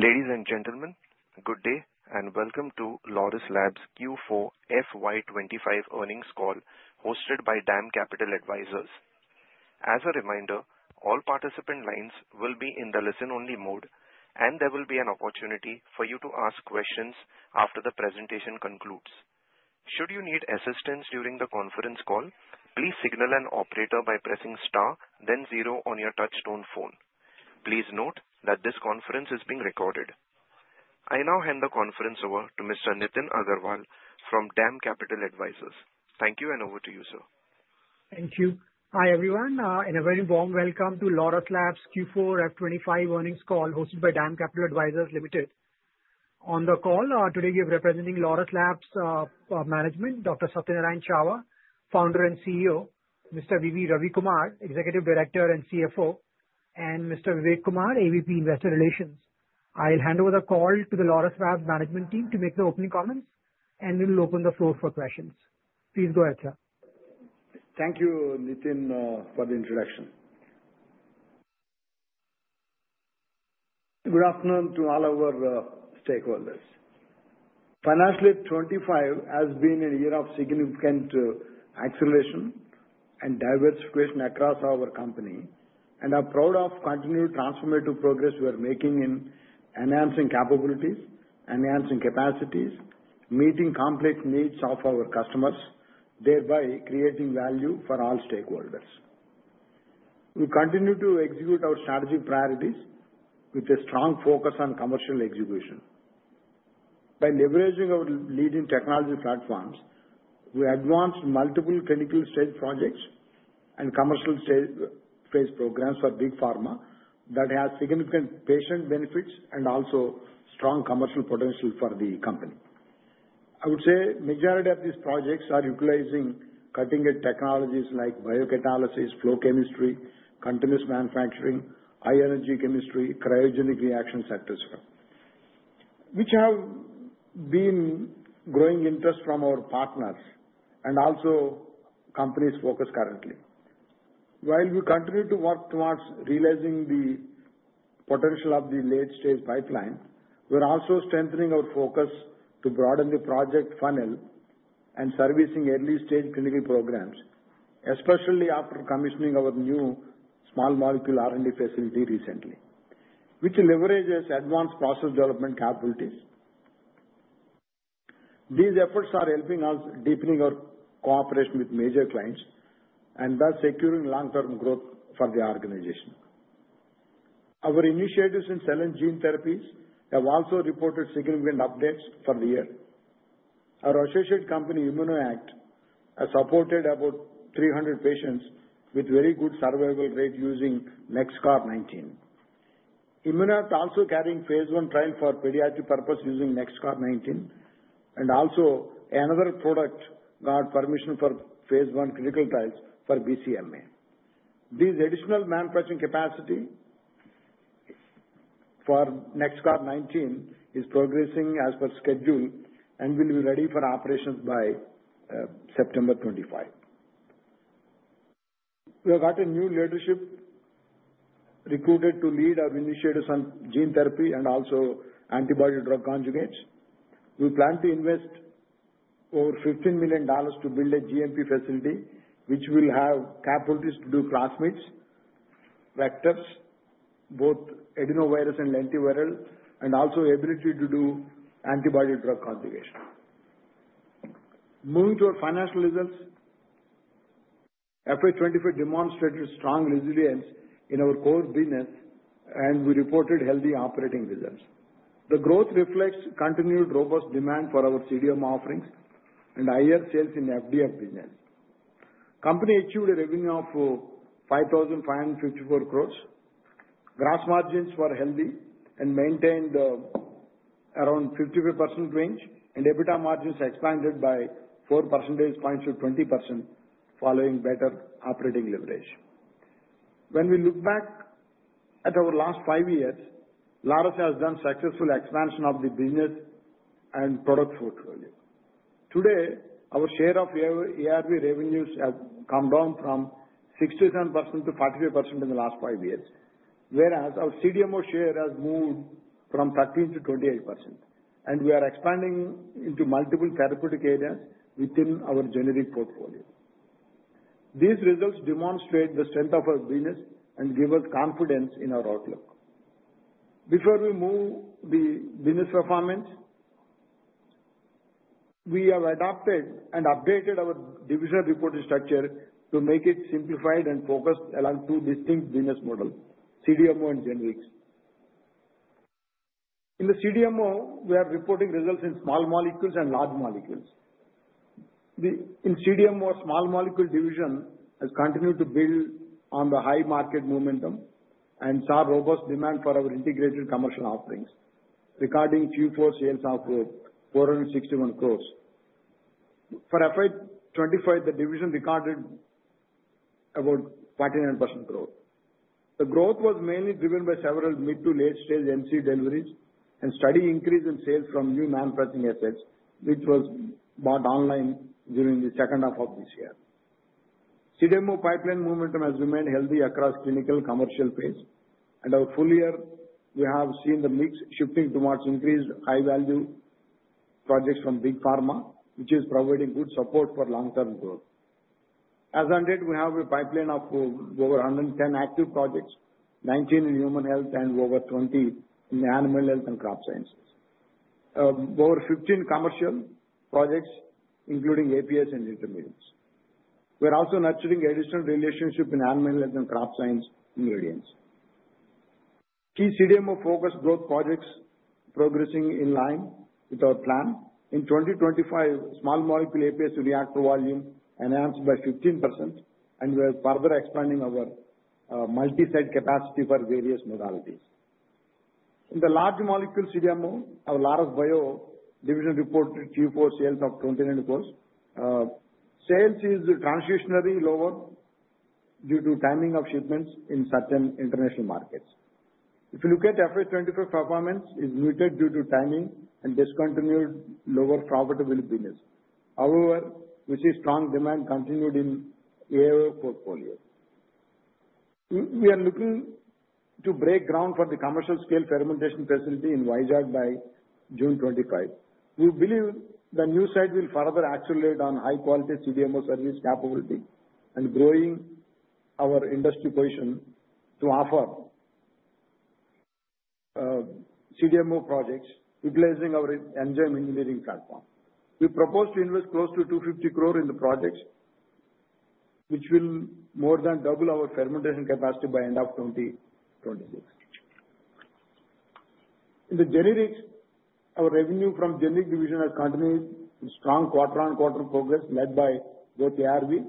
Ladies and gentlemen, good day and welcome to Laurus Labs Q4 FY25 earnings call, hosted by Dam Capital Advisors. As a reminder, all participant lines will be in the listen-only mode, and there will be an opportunity for you to ask questions after the presentation concludes. Should you need assistance during the conference call, please signal an operator by pressing star, then zero on your touchstone phone. Please note that this conference is being recorded. I now hand the conference over to Mr. Nitin Agarwal from Dam Capital Advisors. Thank you, and over to you, sir. Thank you. Hi, everyone. A very warm welcome to Laurus Labs Q4 FY2025 earnings call, hosted by Dam Capital Advisors Limited. On the call today, we are representing Laurus Labs management, Dr. Satyanarayana Chava, Founder and CEO, Mr. V V Ravi Kumar, Executive Director and CFO, and Mr. Vivek Kumar, AVP Investor Relations. I'll hand over the call to the Laurus Labs management team to make their opening comments, and we will open the floor for questions. Please go ahead, sir. Thank you, Nitin, for the introduction. Good afternoon to all our stakeholders. Financially, 2025 has been a year of significant acceleration and diversification across our company, and I'm proud of continued transformative progress we are making in enhancing capabilities, enhancing capacities, meeting complex needs of our customers, thereby creating value for all stakeholders. We continue to execute our strategic priorities with a strong focus on commercial execution. By leveraging our leading technology platforms, we advanced multiple clinical stage projects and commercial stage phase programs for big pharma that have significant patient benefits and also strong commercial potential for the company. I would say the majority of these projects are utilizing cutting-edge technologies like biocatalysis, flow chemistry, continuous manufacturing, high-energy chemistry, cryogenic reaction sectors, which have been growing interest from our partners and also companies' focus currently. While we continue to work towards realizing the potential of the late-stage pipeline, we're also strengthening our focus to broaden the project funnel and servicing early-stage clinical programs, especially after commissioning our new small molecule R&D facility recently, which leverages advanced process development capabilities. These efforts are helping us deepen our cooperation with major clients and thus securing long-term growth for the organization. Our initiatives in cell and gene therapies have also reported significant updates for the year. Our associate company, ImmunoAct, has supported about 300 patients with very good survival rate using NexCar 19. ImmunoAct is also carrying phase one trial for pediatric purposes using NexCar 19, and also another product got permission for phase one clinical trials for BCMA. This additional manufacturing capacity for NexCar 19 is progressing as per schedule and will be ready for operations by September 2025. We have got a new leadership recruited to lead our initiatives on gene therapy and also antibody-drug conjugates. We plan to invest over $15 million to build a GMP facility, which will have capabilities to do classmates vectors, both adenovirus and lentiviral, and also the ability to do antibody-drug conjugation. Moving to our financial results, FY2025 demonstrated strong resilience in our core business, and we reported healthy operating results. The growth reflects continued robust demand for our CDMO offerings and higher sales in the FDF business. The company achieved a revenue of 5,554 crores. Gross margins were healthy and maintained around the 55% range, and EBITDA margins expanded by 4 percentage points to 20% following better operating leverage. When we look back at our last five years, Laurus Labs has done successful expansion of the business and product portfolio. Today, our share of ARV revenues has come down from 67% to 45% in the last five years, whereas our CDMO share has moved from 13% to 28%, and we are expanding into multiple therapeutic areas within our generic portfolio. These results demonstrate the strength of our business and give us confidence in our outlook. Before we move to the business performance, we have adopted and updated our division reporting structure to make it simplified and focused along two distinct business models: CDMO and generics. In the CDMO, we are reporting results in small molecules and large molecules. In CDMO, our small molecule division has continued to build on the high market momentum and saw robust demand for our integrated commercial offerings, recording Q4 sales of 461 crore. For FY2025, the division recorded about 49% growth. The growth was mainly driven by several mid to late-stage MC deliveries and a steady increase in sales from new manufacturing assets, which was brought online during the second half of this year. CDMO pipeline momentum has remained healthy across clinical and commercial phase, and our full year, we have seen the mix shifting towards increased high-value projects from big pharma, which is providing good support for long-term growth. As I did, we have a pipeline of over 110 active projects, 19 in human health and over 20 in animal health and crop sciences, over 15 commercial projects, including APIs and intermediates. We are also nurturing additional relationships in animal health and crop science ingredients. Key CDMO focus growth projects are progressing in line with our plan. In 2025, small molecule API reactor volume enhanced by 15%, and we are further expanding our multi-site capacity for various modalities. In the large molecule CDMO, our Laurus Bio division reported Q4 sales of 29 crores. Sales are transitionally lower due to timing of shipments in certain international markets. If you look at FY2025, performance is muted due to timing and discontinued lower profitability business. However, we see strong demand continued in ARV portfolio. We are looking to break ground for the commercial-scale fermentation facility in Visakhapatnam by June 2025. We believe the new site will further accelerate on high-quality CDMO service capability and grow our industry position to offer CDMO projects utilizing our enzyme engineering platform. We propose to invest close to 250 crores in the projects, which will more than double our fermentation capacity by the end of 2026. In the generics, our revenue from generic division has continued with strong quarter-on-quarter progress led by both ARV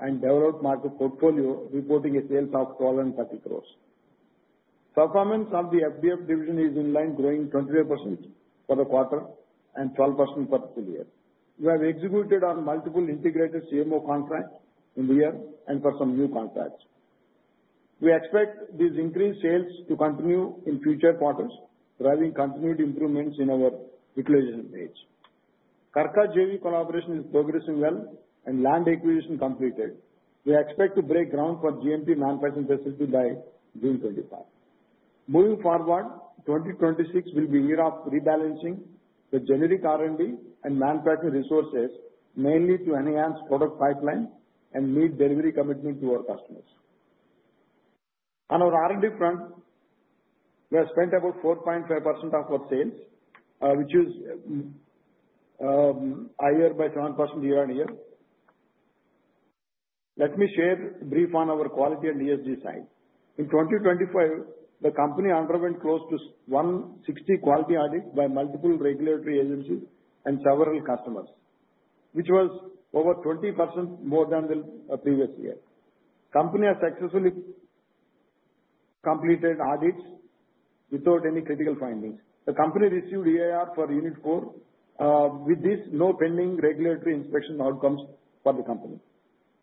and developed market portfolio, reporting a sales of 1,230 crores. Performance of the FDF division is in line, growing 25% for the quarter and 12% for the full year. We have executed on multiple integrated CMO contracts in the year and for some new contracts. We expect these increased sales to continue in future quarters, driving continued improvements in our utilization page. Karka JV collaboration is progressing well, and land acquisition completed. We expect to break ground for GMP manufacturing facility by June 2025. Moving forward, 2026 will be a year of rebalancing the generic R&D and manufacturing resources, mainly to enhance product pipeline and meet delivery commitment to our customers. On our R&D front, we have spent about 4.5% of our sales, which is higher by 7% year-on-year. Let me share a brief on our quality and ESG side. In 2025, the company underwent close to 160 quality audits by multiple regulatory agencies and several customers, which was over 20% more than the previous year. The company has successfully completed audits without any critical findings. The company received EIR for Unit 4, with this no pending regulatory inspection outcomes for the company.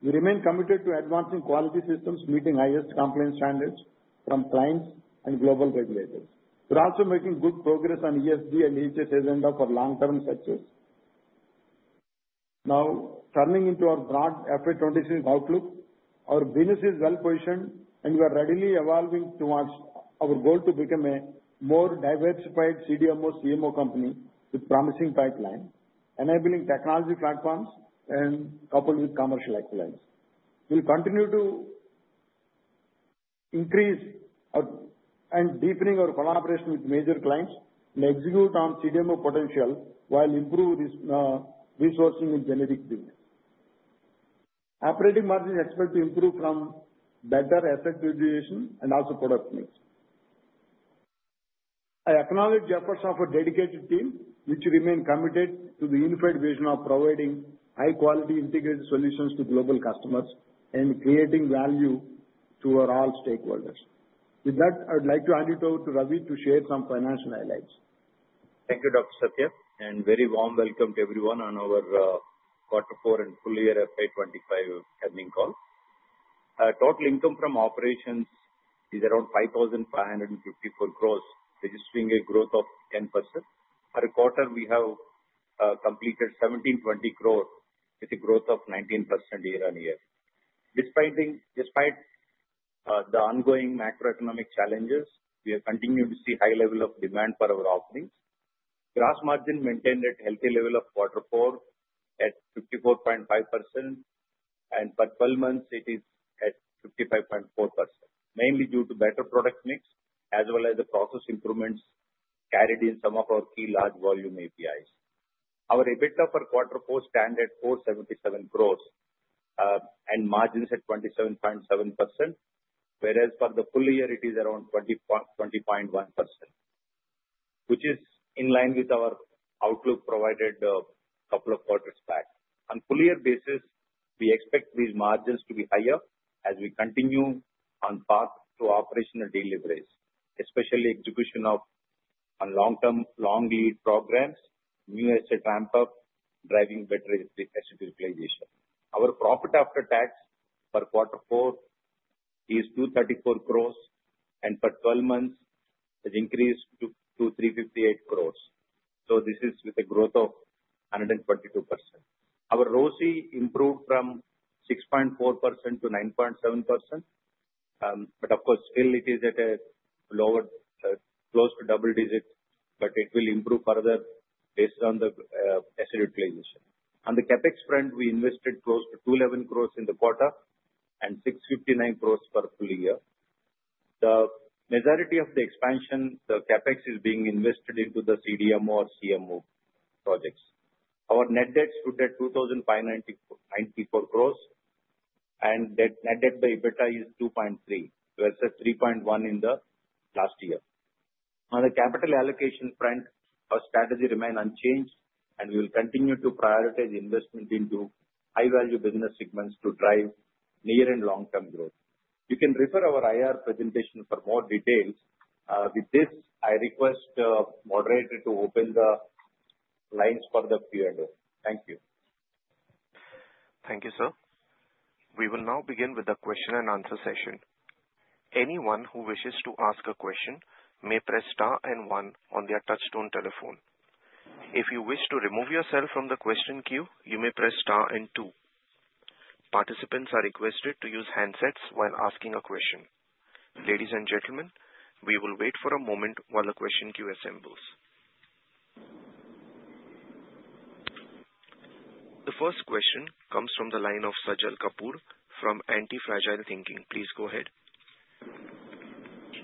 We remain committed to advancing quality systems, meeting highest compliance standards from clients and global regulators. We're also making good progress on ESG and HS agenda for long-term success. Now, turning into our broad FY26 outlook, our business is well-positioned, and we are readily evolving towards our goal to become a more diversified CDMO CMO company with a promising pipeline, enabling technology platforms and coupled with commercial excellence. We'll continue to increase and deepen our collaboration with major clients and execute on CDMO potential while improving resourcing in generic business. Operating margins are expected to improve from better asset utilization and also product mix. I acknowledge the efforts of our dedicated team, which remain committed to the unified vision of providing high-quality integrated solutions to global customers and creating value to all stakeholders. With that, I would like to hand it over to Ravi to share some financial highlights. Thank you, Dr. Satya, and a very warm welcome to everyone on our Q4 and full year FY2025 earnings call. Total income from operations is around 5,554 crore, registering a growth of 10%. For the quarter, we have completed 1,720 crore, with a growth of 19% year-on-year. Despite the ongoing macroeconomic challenges, we have continued to see a high level of demand for our offerings. Gross margin maintained at a healthy level of Q4 at 54.5%, and for 12 months, it is at 55.4%, mainly due to better product mix as well as the process improvements carried in some of our key large volume APIs. Our EBITDA for Q4 stands at 477 crore and margins at 27.7%, whereas for the full year, it is around 20.1%, which is in line with our outlook provided a couple of quarters back. On a full-year basis, we expect these margins to be higher as we continue on path to operational deliveries, especially execution of long-term long lead programs, new asset ramp-up, driving better asset utilization. Our profit after tax for Q4 is 234 crores, and for 12 months, it increased to 358 crores. This is with a growth of 122%. Our ROSI improved from 6.4% to 9.7%, but of course, still it is at a lower close to double digit, but it will improve further based on the asset utilization. On the CapEx front, we invested close to 211 crores in the quarter and 659 crores for the full year. The majority of the expansion, the CapEx is being invested into the CDMO or CMO projects. Our net debt stood at 2,594 crores, and net debt by EBITDA is 2.3, versus 3.1 in the last year. On the capital allocation front, our strategy remains unchanged, and we will continue to prioritize investment into high-value business segments to drive near and long-term growth. You can refer to our IR presentation for more details. With this, I request the moderator to open the lines for the Q&A. Thank you. Thank you, sir. We will now begin with the question-and-answer session. Anyone who wishes to ask a question may press star and one on their touchstone telephone. If you wish to remove yourself from the question queue, you may press star and two. Participants are requested to use handsets while asking a question. Ladies and gentlemen, we will wait for a moment while the question queue assembles. The first question comes from the line of Sajal Kapoor from Antifragile Thinking. Please go ahead.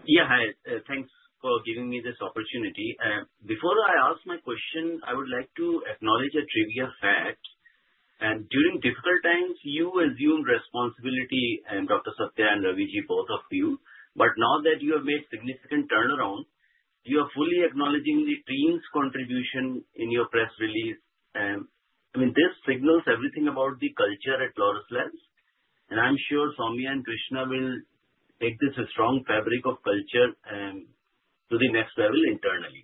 Yeah, hi. Thanks for giving me this opportunity. Before I ask my question, I would like to acknowledge a trivia fact. During difficult times, you assumed responsibility, Dr. Satya and Ravi, both of you. Now that you have made significant turnaround, you are fully acknowledging the team's contribution in your press release. I mean, this signals everything about the culture at Laurus Labs, and I'm sure Somya and Krishna will take this strong fabric of culture to the next level internally.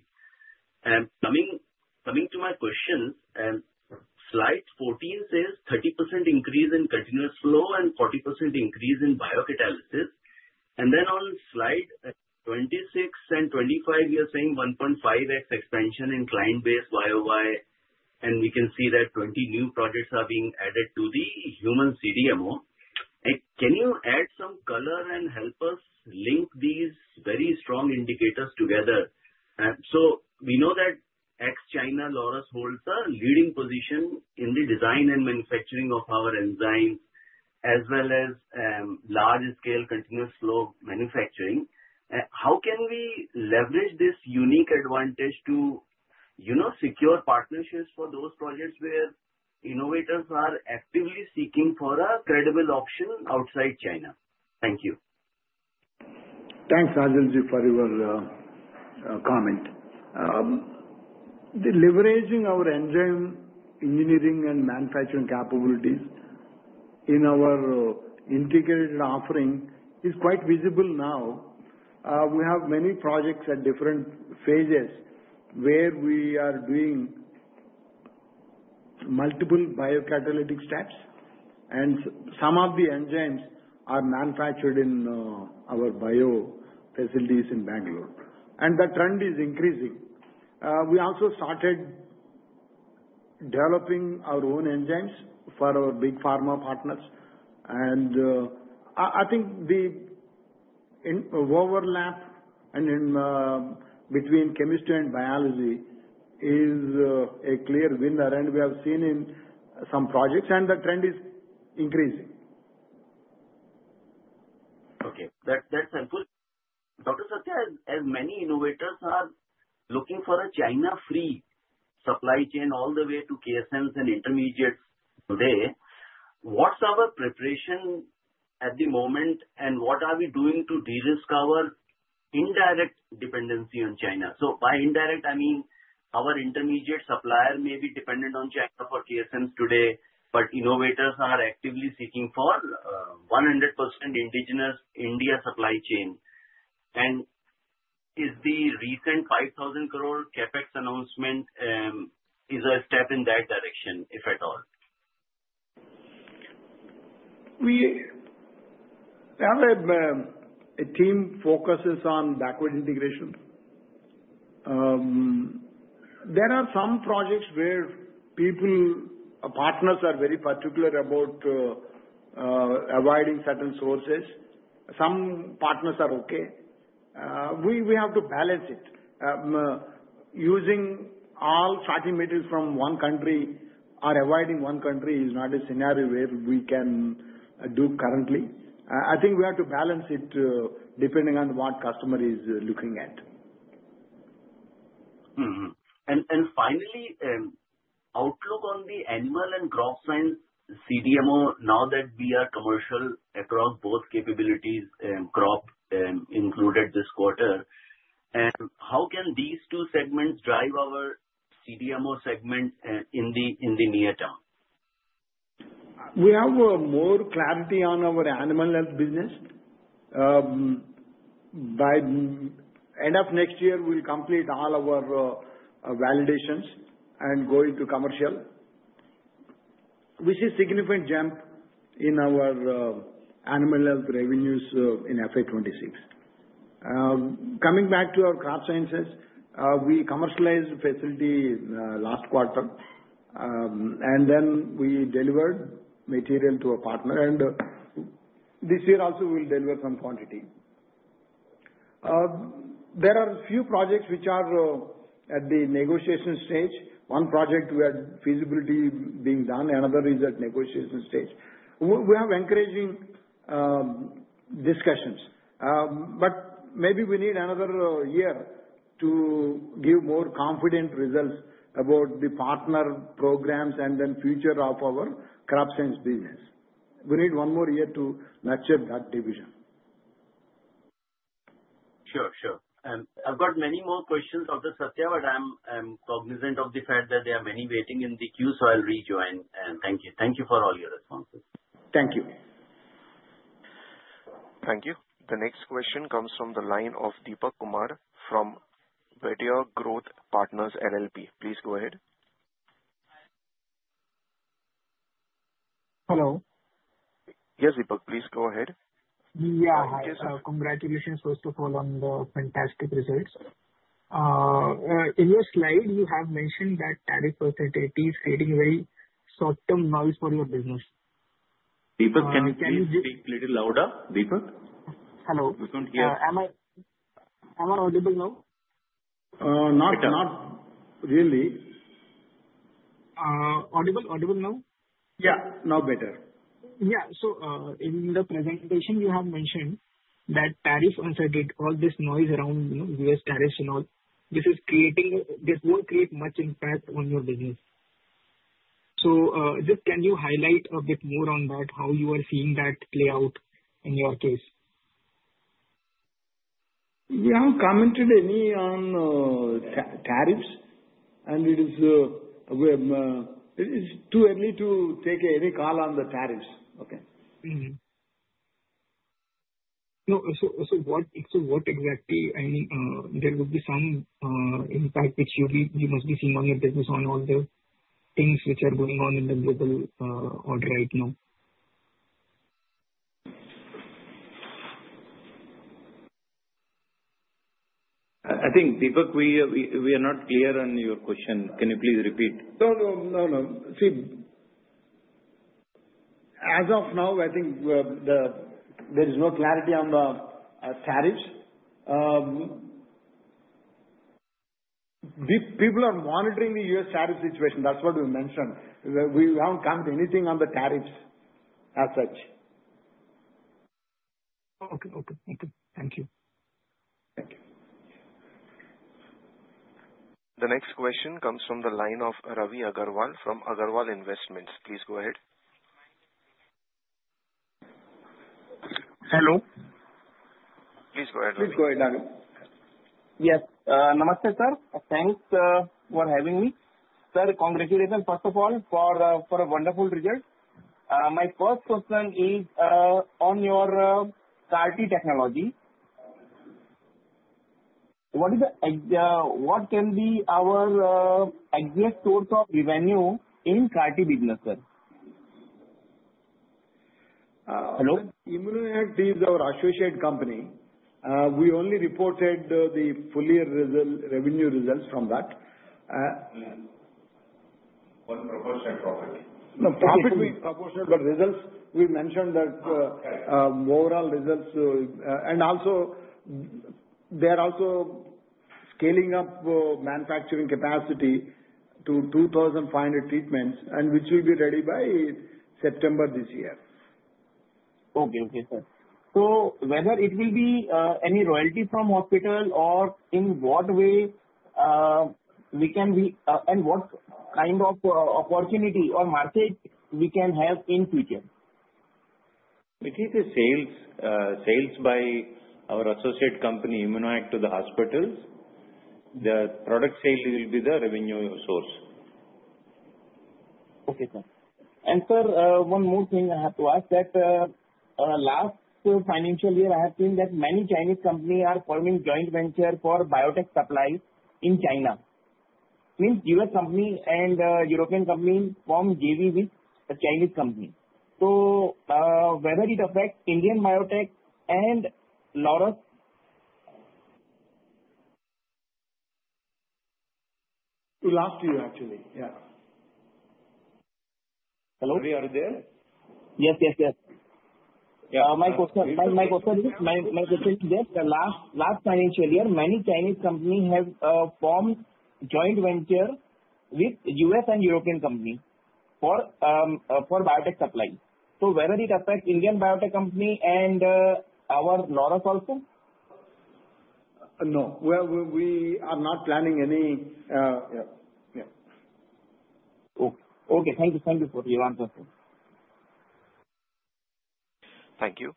Coming to my questions, slide 14 says 30% increase in continuous flow and 40% increase in biocatalysis. On slide 26 and 25, you're saying 1.5x expansion in client-based BioY, and we can see that 20 new projects are being added to the human CDMO. Can you add some color and help us link these very strong indicators together? We know that outside China Laurus holds a leading position in the design and manufacturing of our enzymes as well as large-scale continuous flow manufacturing. How can we leverage this unique advantage to secure partnerships for those projects where innovators are actively seeking for a credible option outside China? Thank you. Thanks, Sajal, for your comment. The leveraging of our enzyme engineering and manufacturing capabilities in our integrated offering is quite visible now. We have many projects at different phases where we are doing multiple biocatalytic steps, and some of the enzymes are manufactured in our bio facilities in Bangalore. The trend is increasing. We also started developing our own enzymes for our big pharma partners. I think the overlap between chemistry and biology is a clear winner, and we have seen in some projects, and the trend is increasing. Okay. That's helpful. Dr. Satya, as many innovators are looking for a China-free supply chain all the way to KSMs and intermediates there, what's our preparation at the moment, and what are we doing to de-risk our indirect dependency on China? By indirect, I mean our intermediate supplier may be dependent on China for KSMs today, but innovators are actively seeking for a 100% indigenous India supply chain. Is the recent 5,000 crore CapEx announcement a step in that direction, if at all? We have a team that focuses on backward integration. There are some projects where partners are very particular about avoiding certain sources. Some partners are okay. We have to balance it. Using all starting materials from one country or avoiding one country is not a scenario we can do currently. I think we have to balance it depending on what the customer is looking at. Finally, outlook on the animal and crop science CDMO now that we are commercial across both capabilities and crop included this quarter. How can these two segments drive our CDMO segment in the near term? We have more clarity on our animal health business. By the end of next year, we'll complete all our validations and go into commercial, which is a significant jump in our animal health revenues in FY 2026. Coming back to our crop sciences, we commercialized the facility last quarter, and then we delivered material to a partner, and this year also we'll deliver some quantity. There are a few projects which are at the negotiation stage. One project where feasibility is being done, another is at the negotiation stage. We have encouraging discussions, but maybe we need another year to give more confident results about the partner programs and then the future of our crop science business. We need one more year to nurture that division. Sure, sure. I have got many more questions, Dr. Satya, but I am cognizant of the fact that there are many waiting in the queue. I will rejoin. Thank you. Thank you for all your responses. Thank you. Thank you. The next question comes from the line of Deepak Kumar from Veda Growth Partners, LLP. Please go ahead. Hello. Yes, Deepak, please go ahead. Yeah, hi. Congratulations first of all on the fantastic results. In your slide, you have mentioned that tariff versatility is creating very short-term noise for your business. Deepak, can you please speak a little louder? Deepak? Hello. We can't hear. Am I audible now? Not really. Audible now? Yeah, now better. Yeah. In the presentation, you have mentioned that tariff uncertainty, all this noise around U.S. tariffs and all, this won't create much impact on your business. Just can you highlight a bit more on that, how you are seeing that play out in your case? We haven't commented any on tariffs, and it is too early to take any call on the tariffs. Okay. What exactly? I mean, there would be some impact which you must be seeing on your business on all the things which are going on in the global order right now. I think, Deepak, we are not clear on your question. Can you please repeat? No, no. See, as of now, I think there is no clarity on the tariffs. People are monitoring the U.S. tariff situation. That's what we mentioned. We haven't commented anything on the tariffs as such. Okay. Thank you. Thank you. The next question comes from the line of Ravi Agarwal from Agarwal Investments. Please go ahead. Hello. Please go ahead, Ravi. Please go ahead, Ravi. Yes. Namaste, sir. Thanks for having me. Sir, congratulations first of all for a wonderful result. My first question is on your CAR-T technology. What can be our exact source of revenue in CAR-T business, sir? Hello? ImmunoAct is our associate company. We only reported the full revenue results from that. One proportional profit. No, profit being proportional, but results, we mentioned that overall results. They are also scaling up manufacturing capacity to 2,500 treatments, which will be ready by September this year. Okay, okay, sir. Whether it will be any royalty from hospital or in what way we can be and what kind of opportunity or market we can have in future? If it is sales by our associate company, ImmunoAct, to the hospitals, the product sale will be the revenue source. Okay, sir. Sir, one more thing I have to ask that last financial year, I have seen that many Chinese companies are forming joint ventures for biotech supplies in China. Means US company and European company form JV with a Chinese company. Whether it affects Indian biotech and Laurus? Last year, actually. Yeah. Hello? Are we there? Yes, yes. My question is that last financial year, many Chinese companies have formed joint ventures with US and European companies for biotech supplies. Does it affect Indian biotech company and our Laurus also? No. We are not planning any. Yeah. Okay. Okay. Thank you. Thank you for your answer. Thank you.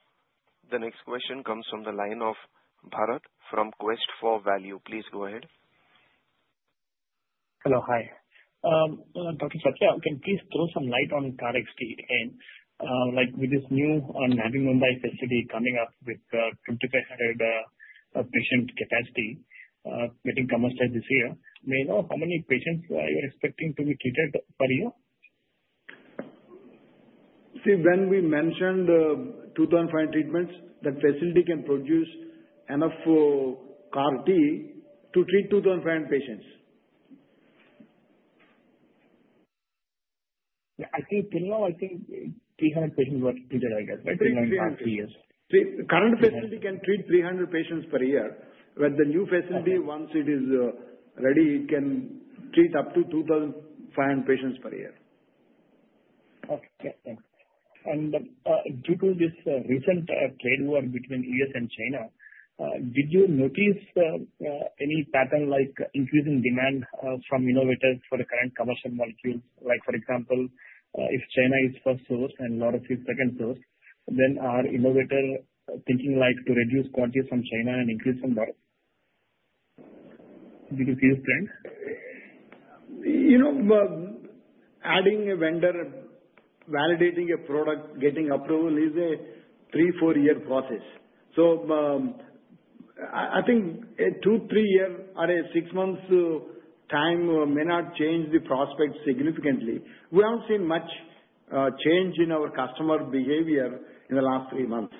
The next question comes from the line of Bharat from Quest for Value. Please go ahead. Hello. Hi. Dr. Satya, can you please throw some light on CAR-T and with this new Navi Mumbai facility coming up with 2,500 patient capacity getting commercialized this year, may I know how many patients you are expecting to be treated per year? See, when we mentioned 2,500 treatments, that facility can produce enough CAR-T to treat 2,500 patients. Yeah. I think till now, I think 300 patients were treated, I guess, right? Current facility can treat 300 patients per year. With the new facility, once it is ready, it can treat up to 2,500 patients per year. Okay. Due to this recent trade war between the U.S. and China, did you notice any pattern like increasing demand from innovators for the current commercial molecules? For example, if China is first source and Laurus is second source, then are innovators thinking to reduce quantities from China and increase from Laurus? Did you see this trend? Adding a vendor, validating a product, getting approval is a three- to four-year process. I think two to three years or six months' time may not change the prospects significantly. We haven't seen much change in our customer behavior in the last three months.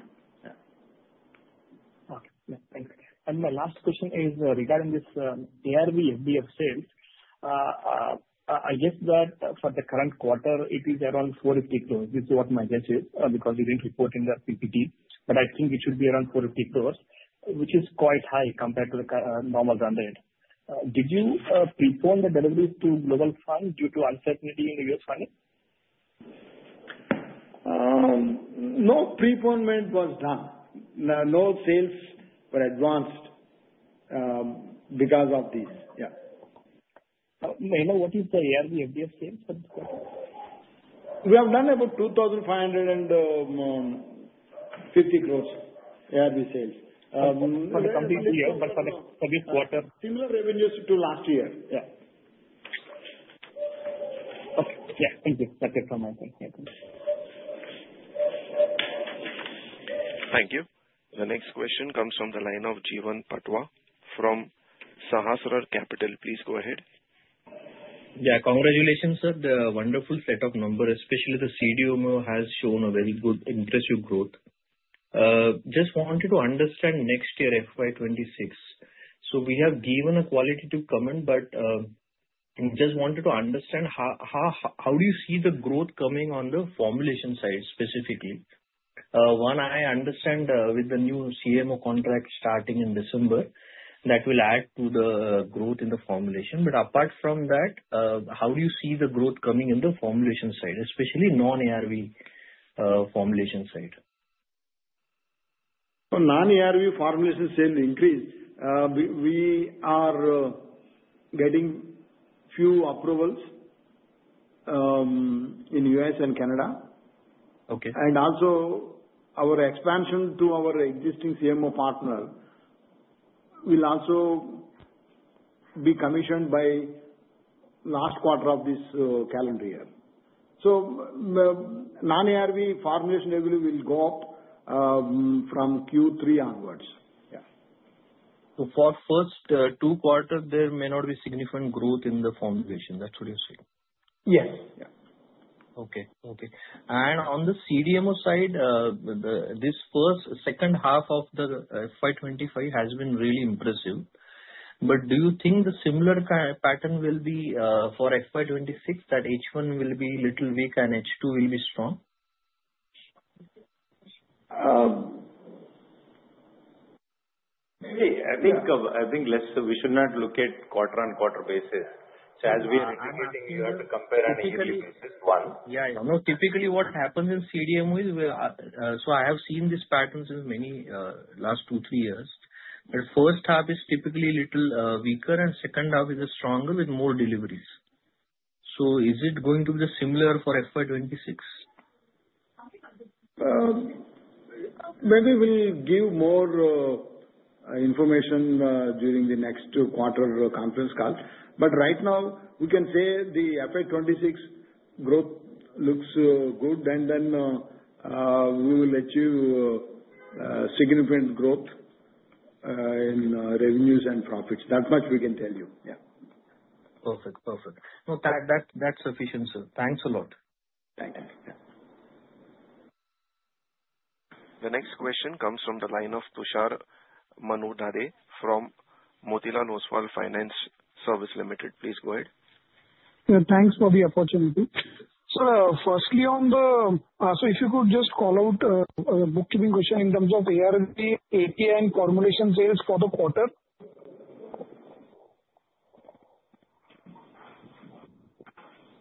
Okay. Thanks. My last question is regarding this ARV, FDF sales. I guess that for the current quarter, it is around 450 crore. This is what my guess is because we did not report in the PPT. I think it should be around 450 crore, which is quite high compared to the normal trend. Did you prepone the deliveries to global funds due to uncertainty in the US funding? No. Prepone was done. No sales were advanced because of this. Yeah. May I know what is the ARV, FDF sales? We have done about 2,550 crore ARV sales. For the complete year, for this quarter? Similar revenues to last year. Yeah. Okay. Yeah. Thank you. That's it from my side. Thank you. The next question comes from the line of Jeevan Patwa from Sahasrar Capital. Please go ahead. Yeah. Congratulations, sir. The wonderful set of numbers, especially the CDMO, has shown a very good, impressive growth. Just wanted to understand next year, FY2026. We have given a qualitative comment, but just wanted to understand how do you see the growth coming on the formulation side specifically? One, I understand with the new CMO contract starting in December, that will add to the growth in the formulation. Apart from that, how do you see the growth coming in the formulation side, especially non-ARV formulation side? Non-ARV formulation sales increase. We are getting few approvals in the US and Canada. Also, our expansion to our existing CMO partner will be commissioned by the last quarter of this calendar year. Non-ARV formulation revenue will go up from Q3 onwards. Yeah. For the first two quarters, there may not be significant growth in the formulation. That's what you're saying? Yes. Yeah. Okay, okay. On the CDMO side, this first second half of the FY25 has been really impressive. Do you think the similar pattern will be for FY26, that H1 will be a little weak and H2 will be strong? Maybe. I think less so. We should not look at quarter-on-quarter basis. As we are indicating, you have to compare on a yearly basis, one. Yeah. I know. Typically, what happens in CDMO is I have seen this pattern since many last two, three years. The first half is typically a little weaker, and the second half is stronger with more deliveries. Is it going to be similar for FY2026? Maybe we'll give more information during the next quarter conference call. Right now, we can say the FY2026 growth looks good, and then we will achieve significant growth in revenues and profits. That much we can tell you. Yeah. Perfect, perfect. No, that's sufficient, sir. Thanks a lot. Thank you. The next question comes from the line of Tushar Manudhane from Motilal Oswal Financial Services. Please go ahead. Thanks for the opportunity. Firstly, if you could just call out a bookkeeping question in terms of ARV, API, and formulation sales for the quarter.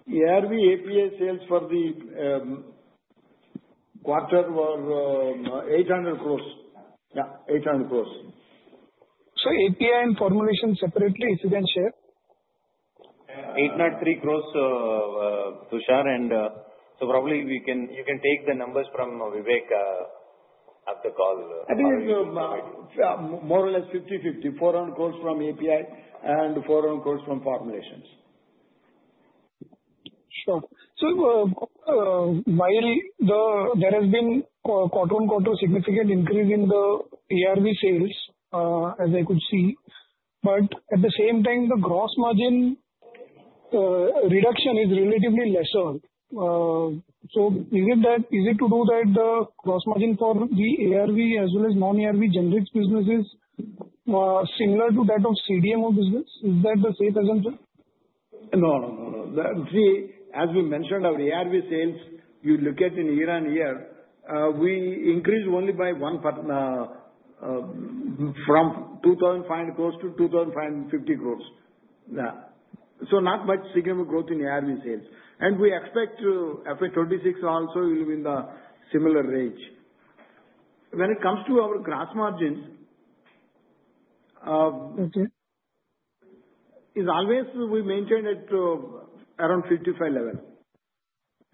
ARV, API sales for the quarter were 800 crores. Yeah, 800 crores. API and formulation separately, if you can share? 803 crores, Tushar. You can take the numbers from Vivek after the call. I think it's more or less 50/50, 400 crores from API and 400 crores from formulations. Sure. While there has been quarter-on-quarter significant increase in the ARV sales, as I could see, at the same time, the gross margin reduction is relatively lesser. Is it to do that the gross margin for the ARV as well as non-ARV generics businesses is similar to that of CDMO business? Is that the same as in? No, no, no. As we mentioned, our ARV sales, you look at in year on year, we increased only by one from 2,500 crores to 2,550 crores. Yeah. Not much significant growth in ARV sales. We expect FY2026 also will be in the similar range. When it comes to our gross margins, it's always we maintained at around 55% level.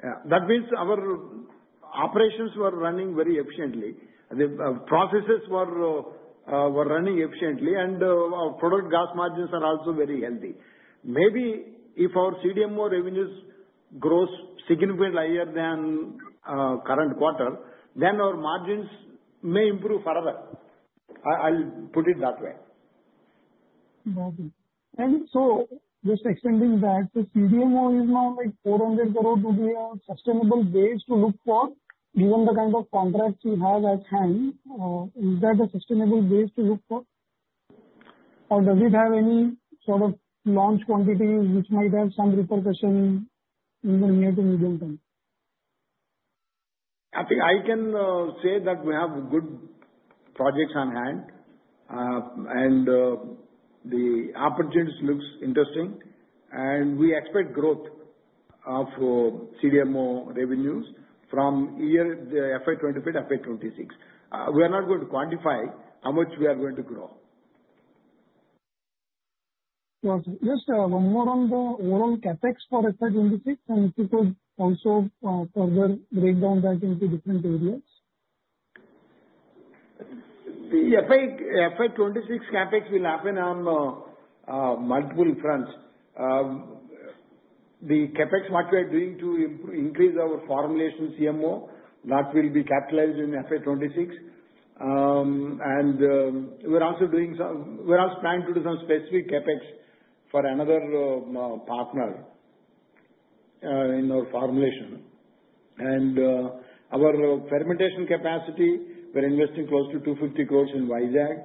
Yeah. That means our operations were running very efficiently. The processes were running efficiently, and our product gross margins are also very healthy. Maybe if our CDMO revenues grow significantly higher than current quarter, then our margins may improve further. I'll put it that way. Just extending that, the CDMO is now like 400 crore rupees. Would that be a sustainable base to look for, given the kind of contracts we have at hand? Is that a sustainable base to look for, or does it have any sort of launch quantities which might have some repercussion in the near to medium term? I think I can say that we have good projects on hand, and the opportunities look interesting. We expect growth of CDMO revenues from year FY 2025 to FY 2026. We are not going to quantify how much we are going to grow. Just more on the overall CapEx for FY26, and if you could also further break down that into different areas. FY2026 CapEx will happen on multiple fronts. The CapEx what we are doing to increase our formulation CMO, that will be capitalized in FY2026. We are also planning to do some specific CapEx for another partner in our formulation. Our fermentation capacity, we are investing close to 250 crore in Vizag.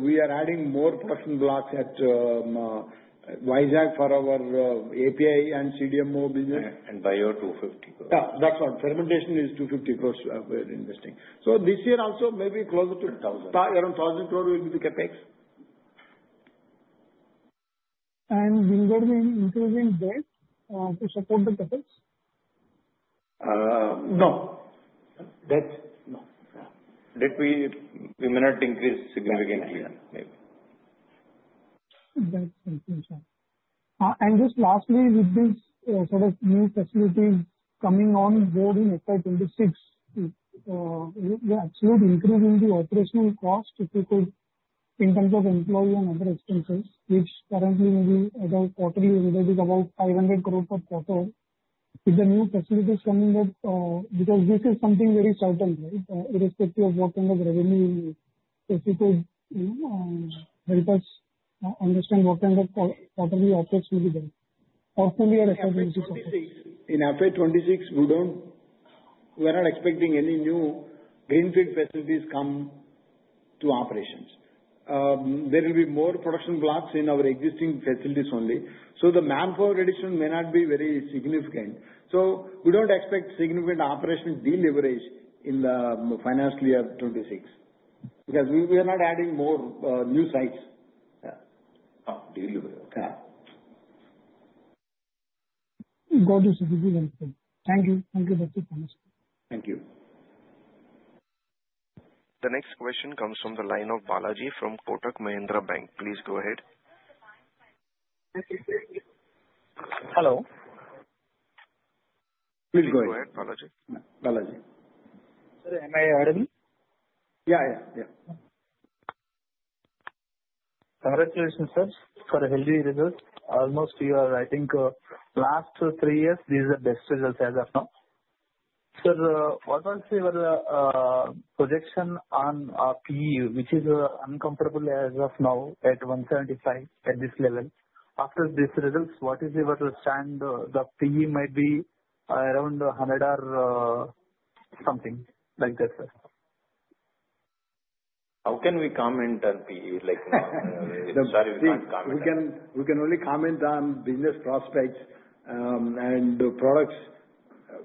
We are adding more production blocks at Vizag for our API and CDMO business. By your 250 crores? Yeah. That's what. Fermentation is 250 crores we're investing. This year also maybe closer to around 1,000 crores will be the CapEx. Will there be any increase in debt to support the CapEx? No. Debt? No. Debt we may not increase significantly. Debt increase. Just lastly, with this sort of new facilities coming on board in FY2026, the absolute increase in the operational cost, if you could, in terms of employee and other expenses, which currently maybe at a quarterly revenue is about 500 crore per quarter, with the new facilities coming up, because this is something very certain, right? Irrespective of what kind of revenue, if you could help us understand what kind of quarterly OpEx will be there. Hopefully, at FY2026. In FY 2026, we are not expecting any new greenfield facilities come to operations. There will be more production blocks in our existing facilities only. The manpower reduction may not be very significant. We do not expect significant operation deleverage in the financial year 2026 because we are not adding more new sites. Got it. Thank you. Thank you, Dr. Panaskar. Thank you. The next question comes from the line of Balaji from Kotak Mahindra Bank. Please go ahead. Hello. Please go ahead, Balaji. Balaji. Sir, may I add any? Yeah, yeah, yeah. Congratulations, sir, for healthy results. Almost, I think, last three years, these are the best results as of now. Sir, what was your projection on PE, which is uncomfortable as of now at 175 at this level? After these results, what is your stand? The PE might be around 100 or something like that, sir. How can we comment on PE? Sorry, we can't comment. We can only comment on business prospects and products,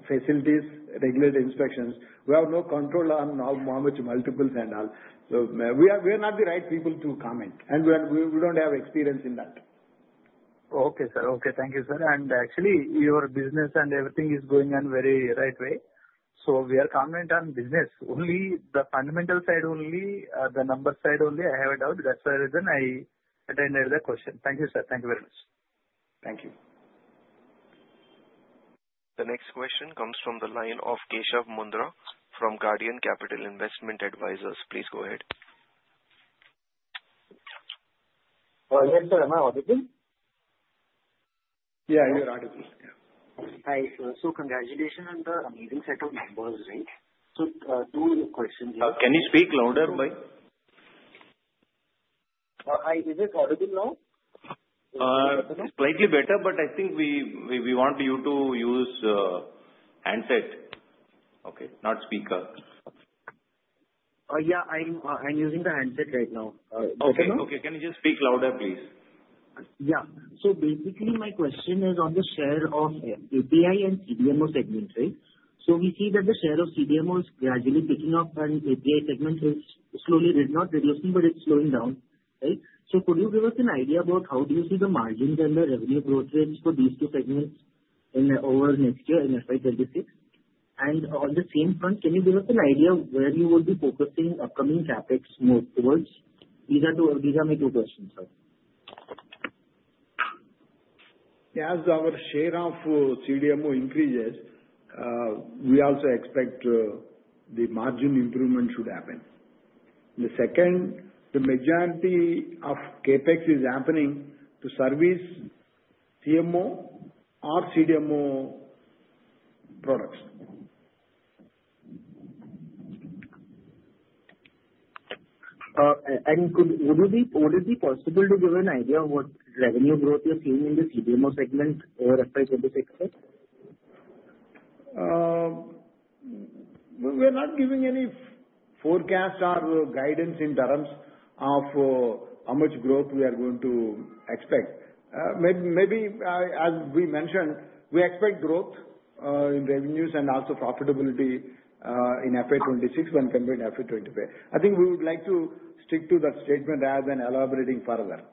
facilities, regulatory inspections. We have no control on how much multiples and all. We are not the right people to comment. We don't have experience in that. Okay, sir. Okay. Thank you, sir. Actually, your business and everything is going on very right way. We are commenting on business, only the fundamental side only, the number side only. I have a doubt. That's the reason I attended the question. Thank you, sir. Thank you very much. Thank you. The next question comes from the line of Keshav Mundra from Guardian Capital Investment Advisors. Please go ahead. Yes, sir. Am I audible? Yeah, you're audible. Yeah. Hi, sir. Congratulations on the amazing set of numbers, right? Two questions. Can you speak louder, boy? Hi, is it audible now? Slightly better, but I think we want you to use handset. Okay. Not speaker. Yeah. I'm using the handset right now. Okay. Okay. Can you just speak louder, please? Yeah. So basically, my question is on the share of API and CDMO segment, right? We see that the share of CDMO is gradually picking up, and API segment is slowly not reducing, but it's slowing down, right? Could you give us an idea about how you see the margins and the revenue growth rates for these two segments over next year in FY 2026? On the same front, can you give us an idea of where you will be focusing upcoming CapEx more towards? These are my two questions, sir. As our share of CDMO increases, we also expect the margin improvement should happen. The second, the majority of CapEx is happening to service CMO or CDMO products. Would it be possible to give an idea of what revenue growth you're seeing in the CDMO segment over FY 2026? We're not giving any forecast or guidance in terms of how much growth we are going to expect. Maybe, as we mentioned, we expect growth in revenues and also profitability in FY 2026 when compared to FY 2025. I think we would like to stick to that statement rather than elaborating further.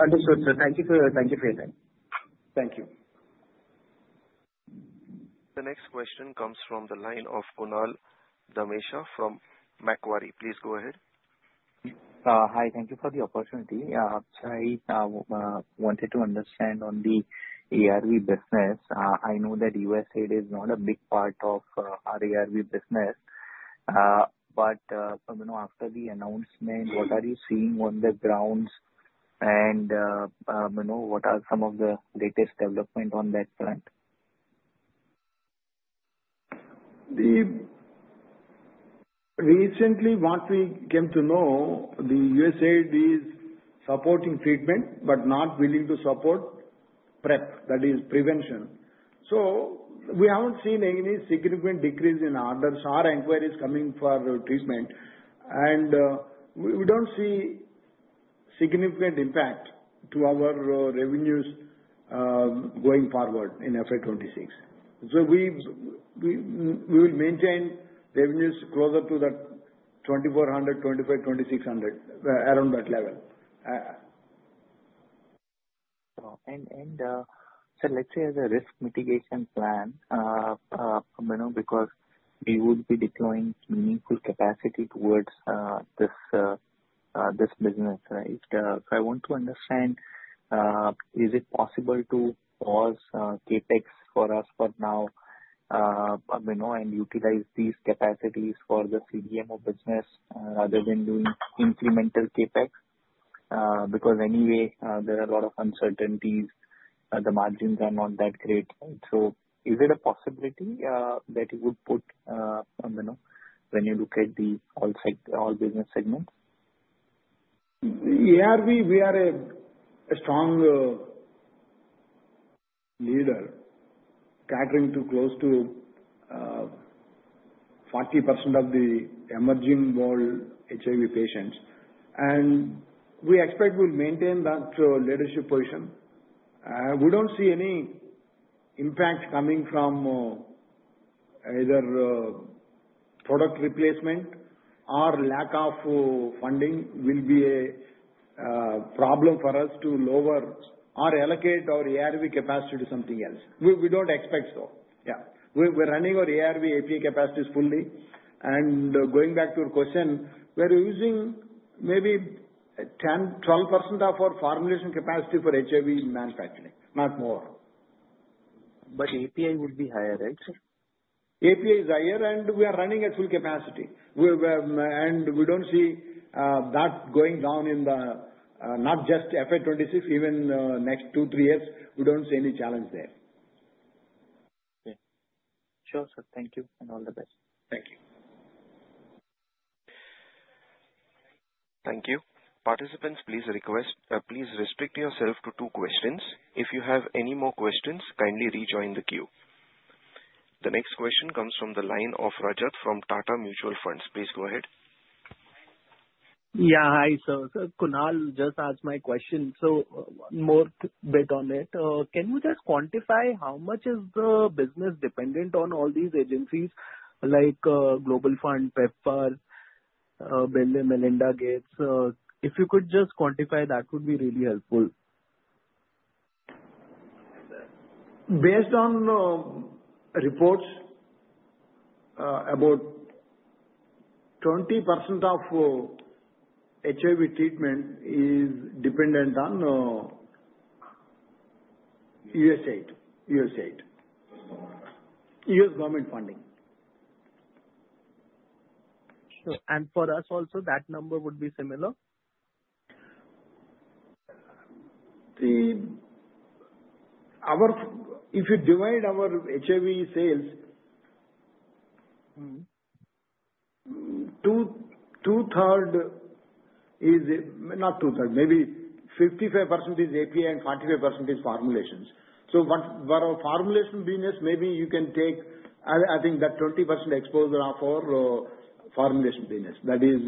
Understood, sir. Thank you for your time. Thank you. The next question comes from the line of Kunal Dhamesha from Macquarie. Please go ahead. Hi. Thank you for the opportunity. I wanted to understand on the ARV business. I know that USAID is not a big part of our ARV business. After the announcement, what are you seeing on the ground? What are some of the latest developments on that front? Recently, what we came to know, the USAID is supporting treatment but not willing to support PrEP, that is, prevention. We haven't seen any significant decrease in orders. Our inquiries are coming for treatment. We don't see a significant impact to our revenues going forward in FY2026. We will maintain revenues closer to 2,400 crore-2,500 crore-INR 2,600 crore, around that level. Sir, let's say as a risk mitigation plan, because we would be deploying meaningful capacity towards this business, right? I want to understand, is it possible to pause CapEx for us for now and utilize these capacities for the CDMO business rather than doing incremental CapEx? Because anyway, there are a lot of uncertainties. The margins are not that great. Is it a possibility that you would put when you look at all business segments? ARV, we are a strong leader catering to close to 40% of the emerging world HIV patients. We expect we'll maintain that leadership position. We don't see any impact coming from either product replacement or lack of funding will be a problem for us to lower or allocate our ARV capacity to something else. We don't expect so. Yeah. We're running our ARV API capacities fully. Going back to your question, we're using maybe 10-12% of our formulation capacity for HIV manufacturing, not more. API would be higher, right? API is higher, and we are running at full capacity. We do not see that going down in not just FY 2026, even next two-three years, we do not see any challenge there. Okay. Sure, sir. Thank you. All the best. Thank you. Thank you. Participants, please restrict yourself to two questions. If you have any more questions, kindly rejoin the queue. The next question comes from the line of Rajat from Tata Mutual Funds. Please go ahead. Yeah. Hi, sir. Kunal just asked my question. One more bit on it. Can you just quantify how much is the business dependent on all these agencies like Global Fund, PEPFAR, Bill, Melinda Gates? If you could just quantify, that would be really helpful. Based on reports, about 20% of HIV treatment is dependent on USAID, US government funding. Sure. For us also, that number would be similar? If you divide our HIV sales, two-thirds is not two-thirds. Maybe 55% is API and 45% is formulations. For our formulation business, maybe you can take, I think, that 20% exposure for formulation business. That is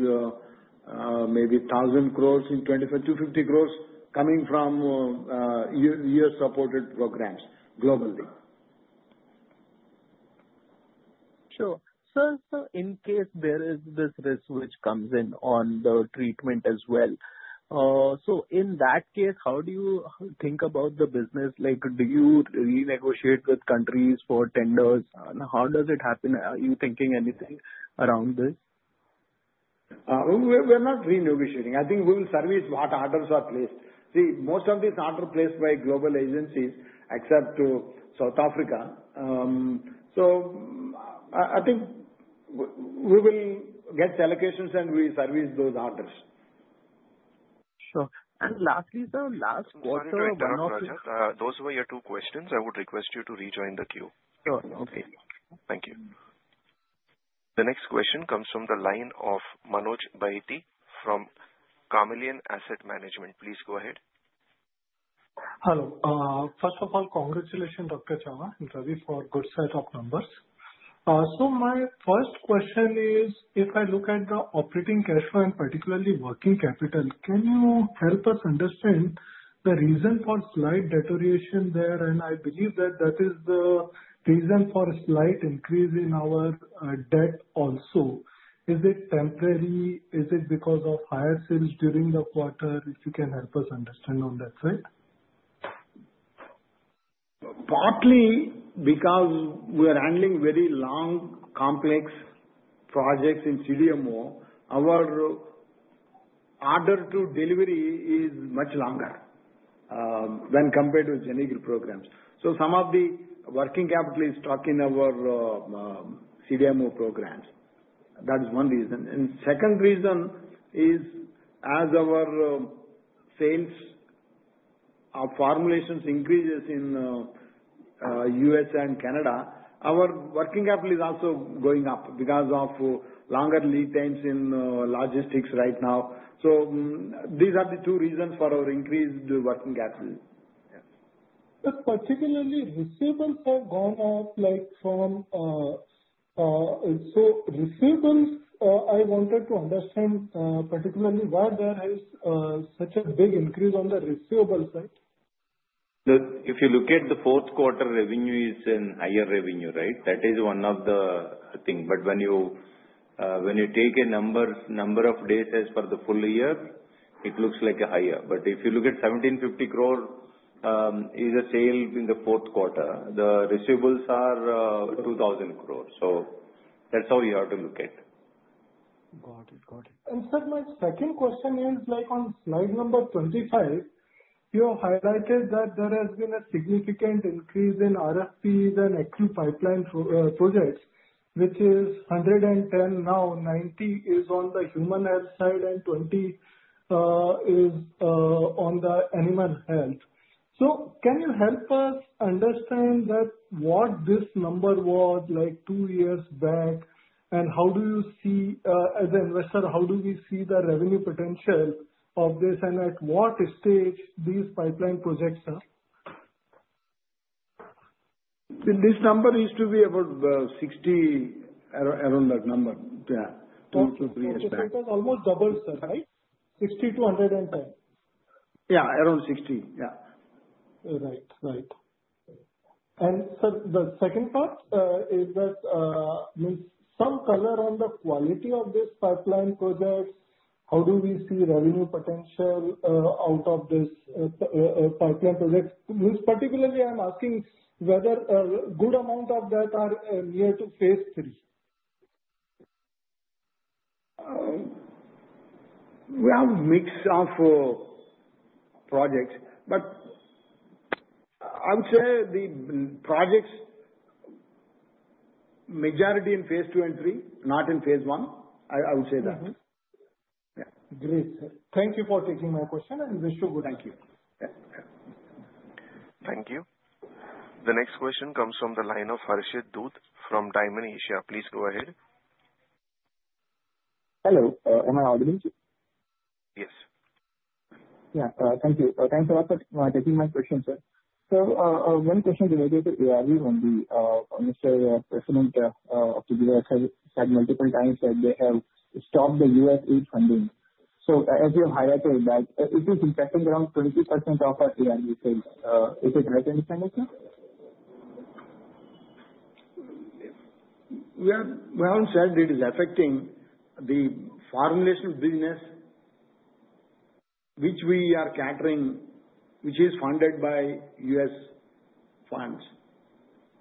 maybe 1,000 crore in 2025, 250 crore coming from US-supported programs globally. Sure. Sir, in case there is this risk which comes in on the treatment as well, in that case, how do you think about the business? Do you renegotiate with countries for tenders? How does it happen? Are you thinking anything around this? We're not renegotiating. I think we will service what orders are placed. See, most of these orders are placed by global agencies except South Africa. I think we will get allocations and we will service those orders. Sure. Lastly, sir, last quarter, one of the. Those were your two questions. I would request you to rejoin the queue. Sure. Okay. Thank you. The next question comes from the line of Manoj Bahety from Carnelian Asset Management. Please go ahead. Hello. First of all, congratulations, Dr. Chava, and Ravi for a good set of numbers. My first question is, if I look at the operating cash flow and particularly working capital, can you help us understand the reason for slight deterioration there? I believe that that is the reason for a slight increase in our debt also. Is it temporary? Is it because of higher sales during the quarter? If you can help us understand on that side. Partly because we are handling very long, complex projects in CDMO, our order-to-delivery is much longer when compared to genuine programs. Some of the working capital is stuck in our CDMO programs. That is one reason. The second reason is, as our sales, our formulations increase in the U.S. and Canada, our working capital is also going up because of longer lead times in logistics right now. These are the two reasons for our increased working capital. Particularly, receivables have gone up from, so receivables, I wanted to understand particularly why there is such a big increase on the receivables side. If you look at the fourth quarter revenue, it's in higher revenue, right? That is one of the things. When you take a number of days as for the full year, it looks like a higher. If you look at 1,750 crores is a sale in the fourth quarter, the receivables are 2,000 crores. That's how you have to look at it. Got it. Got it. Sir, my second question is, on slide number 25, you have highlighted that there has been a significant increase in RFPs and active pipeline projects, which is 110 now, 90 is on the human health side, and 20 is on the animal health. Can you help us understand what this number was like two years back? How do you see, as an investor, how do we see the revenue potential of this? At what stage are these pipeline projects? This number used to be about 60, around that number. Yeah. Okay. It was almost doubled, sir, right? 60 to 110. Yeah. Around 60. Yeah. Right. Right. Sir, the second part is that some color on the quality of this pipeline project. How do we see revenue potential out of this pipeline project? Particularly, I'm asking whether a good amount of that are near to phase three. We have a mix of projects. I would say the projects, majority in phase two and three, not in phase one. I would say that. Great, sir. Thank you for taking my question. I wish you good luck. Thank you. Thank you. The next question comes from the line of Harshit Dhoot from Dymon Asia. Please go ahead. Hello. Am I audible to you? Yes. Yeah. Thank you. Thanks a lot for taking my question, sir. Sir, one question related to ARV. Mr. President of the USAID said multiple times that they have stopped the USAID funding. As you have highlighted that, it is impacting around 20% of our ARV sales. Is it right to understand that, sir? We haven't said it is affecting the formulation business, which we are catering, which is funded by US funds.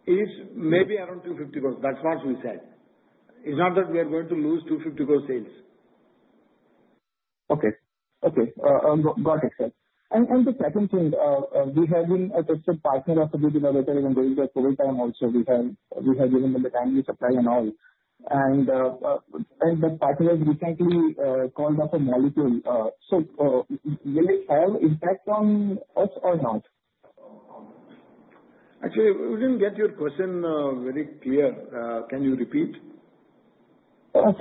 It is maybe around 250 crore. That's what we said. It's not that we are going to lose 250 crore sales. Okay. Okay. Got it, sir. The second thing, we have been a tested partner of the VDRA when going to a COVID time also. We have given them the timely supply and all. The partner has recently called up a molecule. Will it have an impact on us or not? Actually, we didn't get your question very clear. Can you repeat? Sir,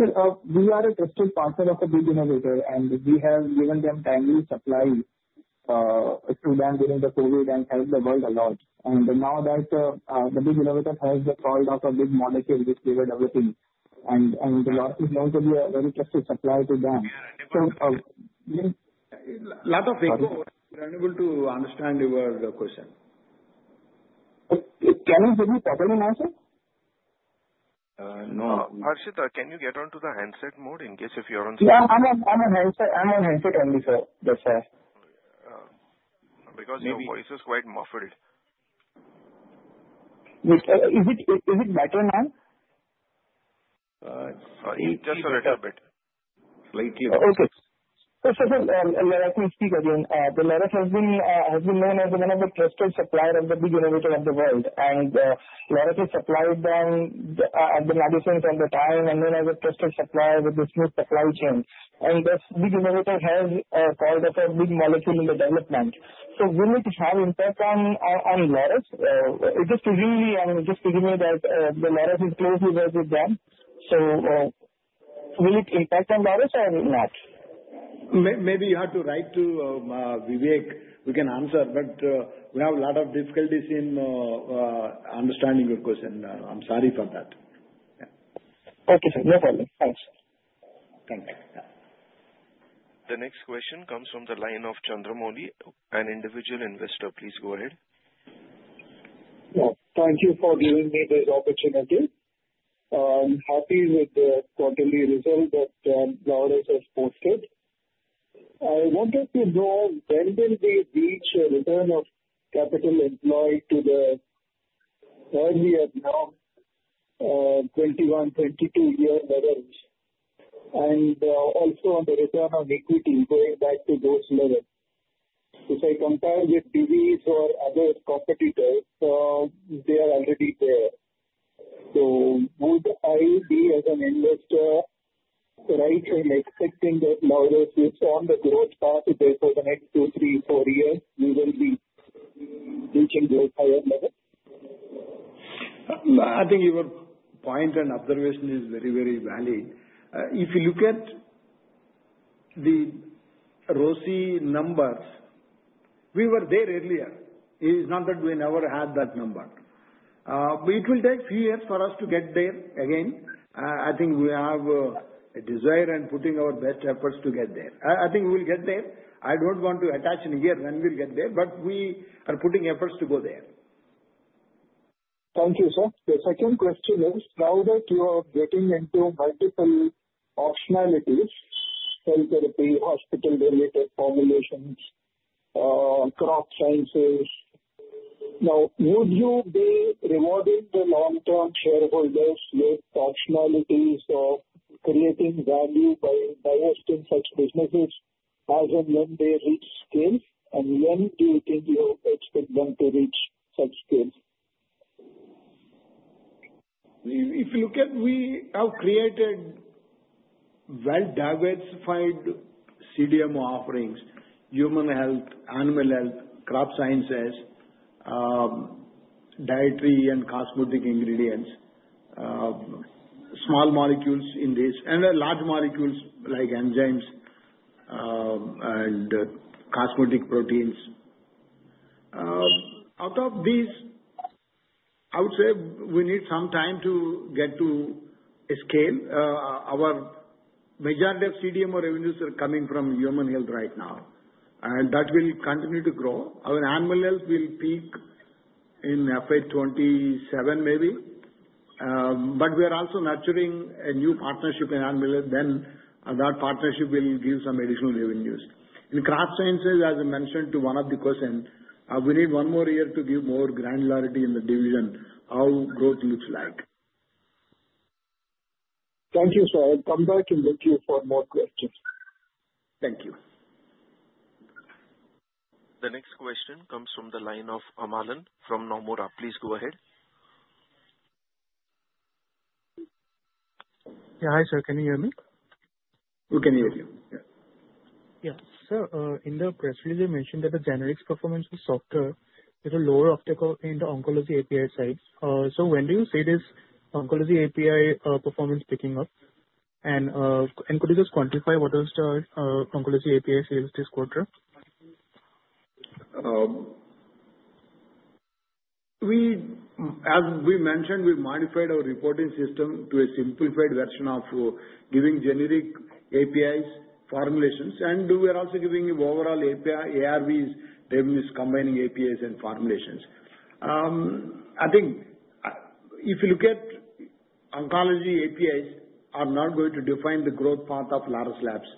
we are a tested partner of the VDRA, and we have given them timely supply to them during the COVID and helped the world a lot. Now that the VDRA has called up a big molecule which we were developing, and the lot is known to be a very tested supply to them. So a lot of. We were unable to understand your question. Can you hear me properly now, sir? No. Harshit, can you get onto the handset mode in case if you're on speaker? Yeah. I'm on handset only, sir. That's all. Because your voice is quite muffled. Is it better now? Just a little bit. Slightly. Okay. Sir, let me speak again. Laurus has been known as one of the tested suppliers of the VDRA of the world. Laurus has supplied them at the Madison at the time and then as a tested supplier with the smooth supply chain. The VDRA has called up a big molecule in the development. Will it have an impact on Laurus? Just give me that Laurus is closely working with them. Will it impact on Laurus or not? Maybe you have to write to Vivek. We can answer. We have a lot of difficulties in understanding your question. I'm sorry for that. Okay, sir. No problem. Thanks. Thank you. The next question comes from the line of Chandramouli, an individual investor. Please go ahead. Yeah. Thank you for giving me this opportunity. I'm happy with the quarterly result that Laurus has posted. I wanted to know when will we reach a return of capital employed to the earlier 2021, 2022-year levels? Also on the return on equity going back to those levels. If I compare with BVs or other competitors, they are already there. Would I be as an investor right in expecting that Laurus is on the growth path today for the next two, three, four years, we will be reaching those higher levels? I think your point and observation is very, very valid. If you look at the ROSI numbers, we were there earlier. It's not that we never had that number. It will take a few years for us to get there again. I think we have a desire and putting our best efforts to get there. I think we will get there. I don't want to attach any year when we'll get there, but we are putting efforts to go there. Thank you, sir. The second question is now that you are getting into multiple optionalities: cell therapy, hospital-related formulations, crop sciences. Now, would you be rewarding the long-term shareholders with optionalities or creating value by divesting such businesses as and when they reach scale? When do you think you expect them to reach such scale? If you look at we have created well-diversified CDMO offerings: human health, animal health, crop sciences, dietary and cosmetic ingredients, small molecules in these, and large molecules like enzymes and cosmetic proteins. Out of these, I would say we need some time to get to a scale. Our majority of CDMO revenues are coming from human health right now. That will continue to grow. Our animal health will peak in FA27 maybe. We are also nurturing a new partnership in animal health. That partnership will give some additional revenues. In crop sciences, as I mentioned to one of the questions, we need one more year to give more granularity in the division, how growth looks like. Thank you, sir. I'll come back and get you for more questions. Thank you. The next question comes from the line of Amalan from Nomura. Please go ahead. Yeah. Hi, sir. Can you hear me? We can hear you. Yeah. Yeah. Sir, in the press release, they mentioned that the generics performance was softer with a lower optical in the oncology API sites. When do you see this oncology API performance picking up? Could you just quantify what is the oncology API sales this quarter? As we mentioned, we modified our reporting system to a simplified version of giving generic APIs formulations. We are also giving overall API ARVs revenues combining APIs and formulations. I think if you look at oncology APIs, they are not going to define the growth path of Laurus Labs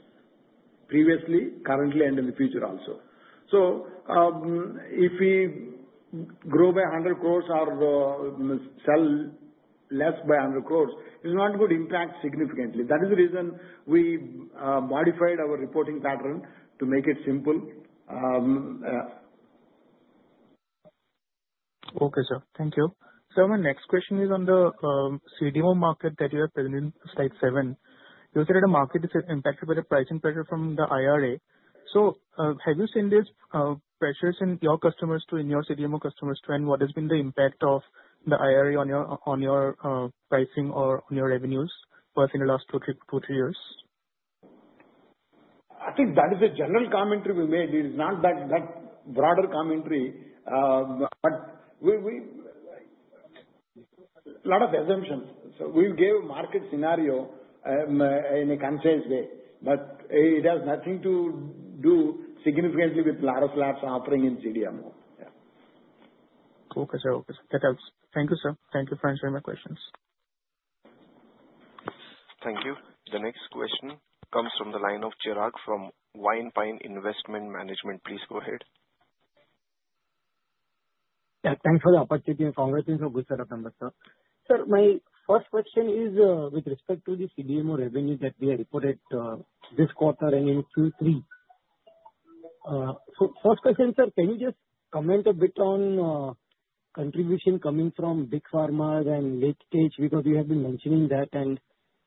previously, currently, and in the future also. If we grow by 100 crores or sell less by 100 crores, it's not going to impact significantly. That is the reason we modified our reporting pattern to make it simple. Okay, sir. Thank you. Sir, my next question is on the CDMO market that you have presented in slide seven. You said that the market is impacted by the pricing pressure from the IRA. Have you seen these pressures in your CDMO customers too? What has been the impact of the IRA on your pricing or on your revenues for the last two or three years? I think that is a general commentary we made. It is not that broader commentary. A lot of assumptions. We gave a market scenario in a concise way. It has nothing to do significantly with Laurus Labs' offering in CDMO. Yeah. Okay, sir. Okay. That helps. Thank you, sir. Thank you for answering my questions. Thank you. The next question comes from the line of Chirag from Wine Pine Investment Management. Please go ahead. Yeah. Thanks for the opportunity. Congratulations on a good set of numbers, sir. Sir, my first question is with respect to the CDMO revenue that we have reported this quarter and in Q3. First question, sir, can you just comment a bit on contribution coming from big pharma and late stage? Because you have been mentioning that.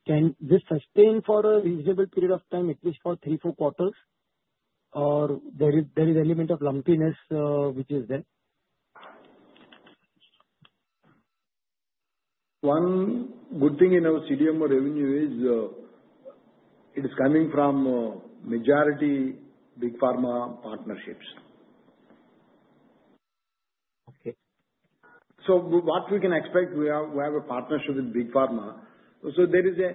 Can this sustain for a reasonable period of time, at least for three, four quarters? Or is there an element of lumpiness which is there? One good thing in our CDMO revenue is it is coming from majority big pharma partnerships. What we can expect, we have a partnership with big pharma. There is a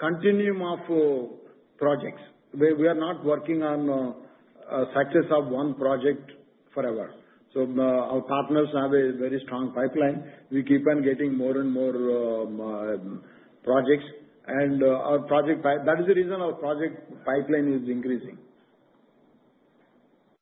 continuum of projects. We are not working on a success of one project forever. Our partners have a very strong pipeline. We keep on getting more and more projects. That is the reason our project pipeline is increasing.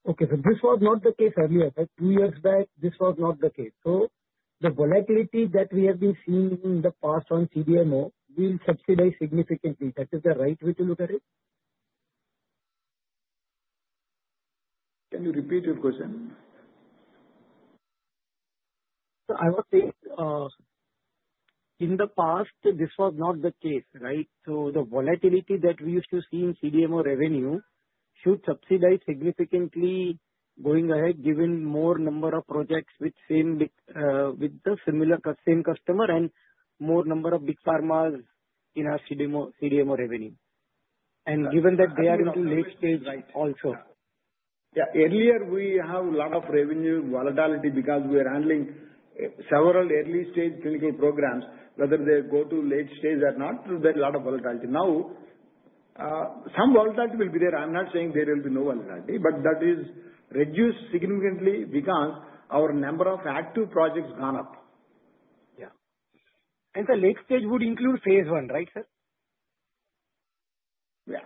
Okay. This was not the case earlier, right? Two years back, this was not the case. The volatility that we have been seeing in the past on CDMO will subsidize significantly. That is the right way to look at it? Can you repeat your question? I would say in the past, this was not the case, right? The volatility that we used to see in CDMO revenue should subsidize significantly going ahead, given more number of projects with the same customer and more number of big pharmas in our CDMO revenue. Given that they are into late stage also. Yeah. Earlier, we have a lot of revenue volatility because we are handling several early stage clinical programs, whether they go to late stage or not, there is a lot of volatility. Now, some volatility will be there. I'm not saying there will be no volatility. That is reduced significantly because our number of active projects has gone up. Yeah. The late stage would include phase one, right, sir? Yeah.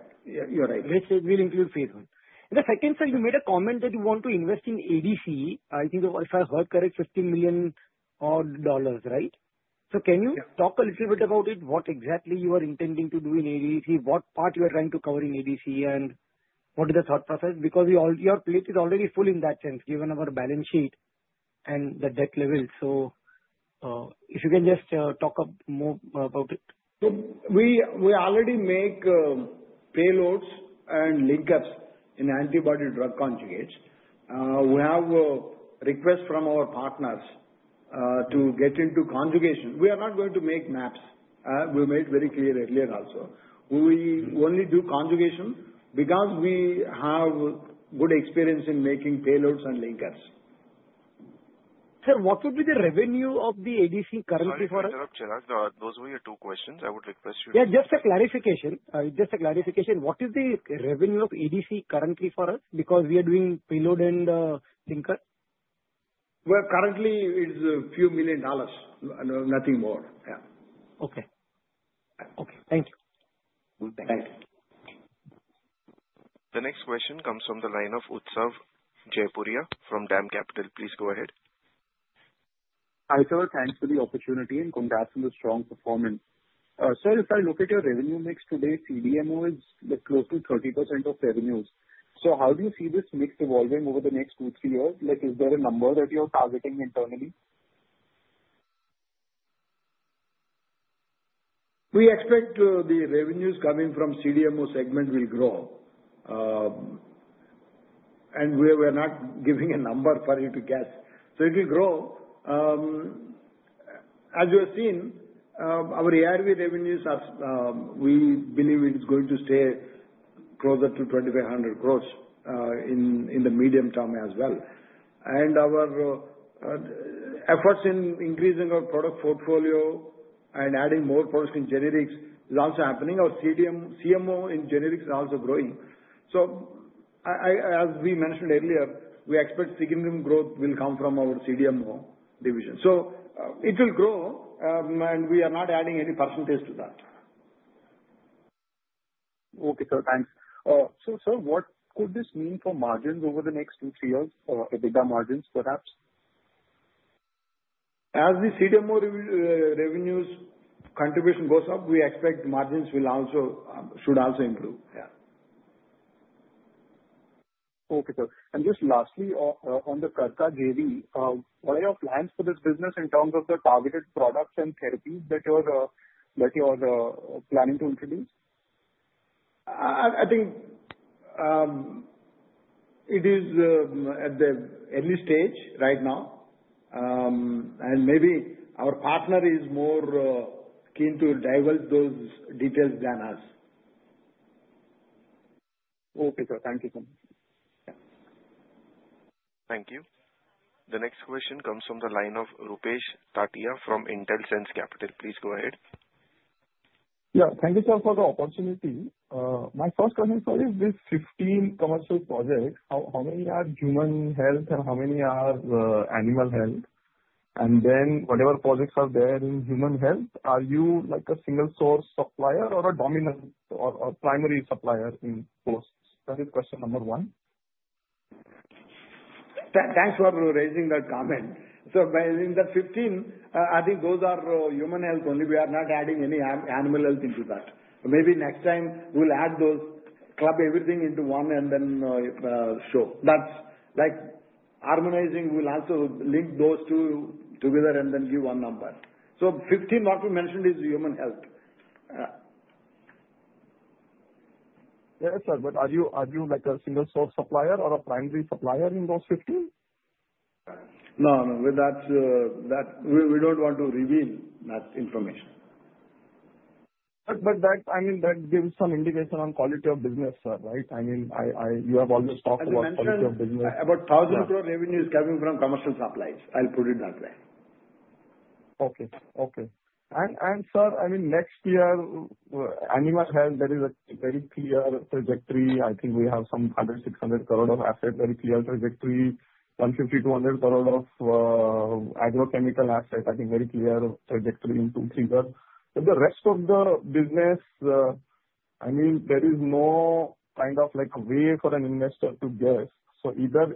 You're right. Late stage will include phase one. The second, sir, you made a comment that you want to invest in ADC. I think if I heard correct, $15 million, right? Can you talk a little bit about it? What exactly you are intending to do in ADC? What part you are trying to cover in ADC? What is the thought process? Because your plate is already full in that sense, given our balance sheet and the debt level. If you can just talk more about it. We already make payloads and linkers in antibody-drug conjugates. We have a request from our partners to get into conjugation. We are not going to make mAbs. We made very clear earlier also. We only do conjugation because we have good experience in making payloads and linkers. Sir, what would be the revenue of the ADC currently for us? Sorry, Chirag, those were your two questions. I would request you to. Yeah. Just a clarification. What is the revenue of ADC currently for us? Because we are doing payload and link-up. Currently, it's a few million dollars. Nothing more. Yeah. Okay. Okay. Thank you. Thank you. The next question comes from the line of Utsav Jaipuria from DAM Capital. Please go ahead. Hi, sir. Thanks for the opportunity and congrats on the strong performance. Sir, if I look at your revenue mix today, CDMO is close to 30% of revenues. How do you see this mix evolving over the next two, three years? Is there a number that you're targeting internally? We expect the revenues coming from CDMO segment will grow. We are not giving a number for you to guess. It will grow. As you have seen, our ARV revenues, we believe it is going to stay closer to 2,500 crore in the medium term as well. Our efforts in increasing our product portfolio and adding more products in generics is also happening. Our CDMO in generics is also growing. As we mentioned earlier, we expect significant growth will come from our CDMO division. It will grow. We are not adding any % to that. Okay, sir. Thanks. Sir, what could this mean for margins over the next two, three years? EBITDA margins, perhaps? As the CDMO revenues contribution goes up, we expect margins should also improve. Yeah. Okay, sir. Just lastly, on the Kartha JV, what are your plans for this business in terms of the targeted products and therapies that you are planning to introduce? I think it is at the early stage right now. Maybe our partner is more keen to divulge those details than us. Okay, sir. Thank you. Thank you. The next question comes from the line of Rupesh Tatiya from Intelsense Capital. Please go ahead. Yeah. Thank you, sir, for the opportunity. My first question, sir, is with 15 commercial projects, how many are human health and how many are animal health? Then whatever projects are there in human health, are you a single source supplier or a dominant or primary supplier in those? That is question number one. Thanks for raising that comment. In the 15, I think those are human health only. We are not adding any animal health into that. Maybe next time, we'll add those, club everything into one and then show. That's harmonizing. We'll also link those two together and then give one number. Fifteen, what we mentioned is human health. Yes, sir. Are you a single source supplier or a primary supplier in those 15? No, no. We don't want to reveal that information. I mean, that gives some indication on quality of business, sir, right? I mean, you have always talked about quality of business. About 1,000 crore revenue is coming from commercial supplies. I'll put it that way. Okay. Okay. Sir, I mean, next year, animal health, there is a very clear trajectory. I think we have some 100 crore, 600 crore of asset, very clear trajectory. 150 crore, 200 crore of agrochemical asset, I think very clear trajectory in two, three years. The rest of the business, I mean, there is no kind of way for an investor to guess. Either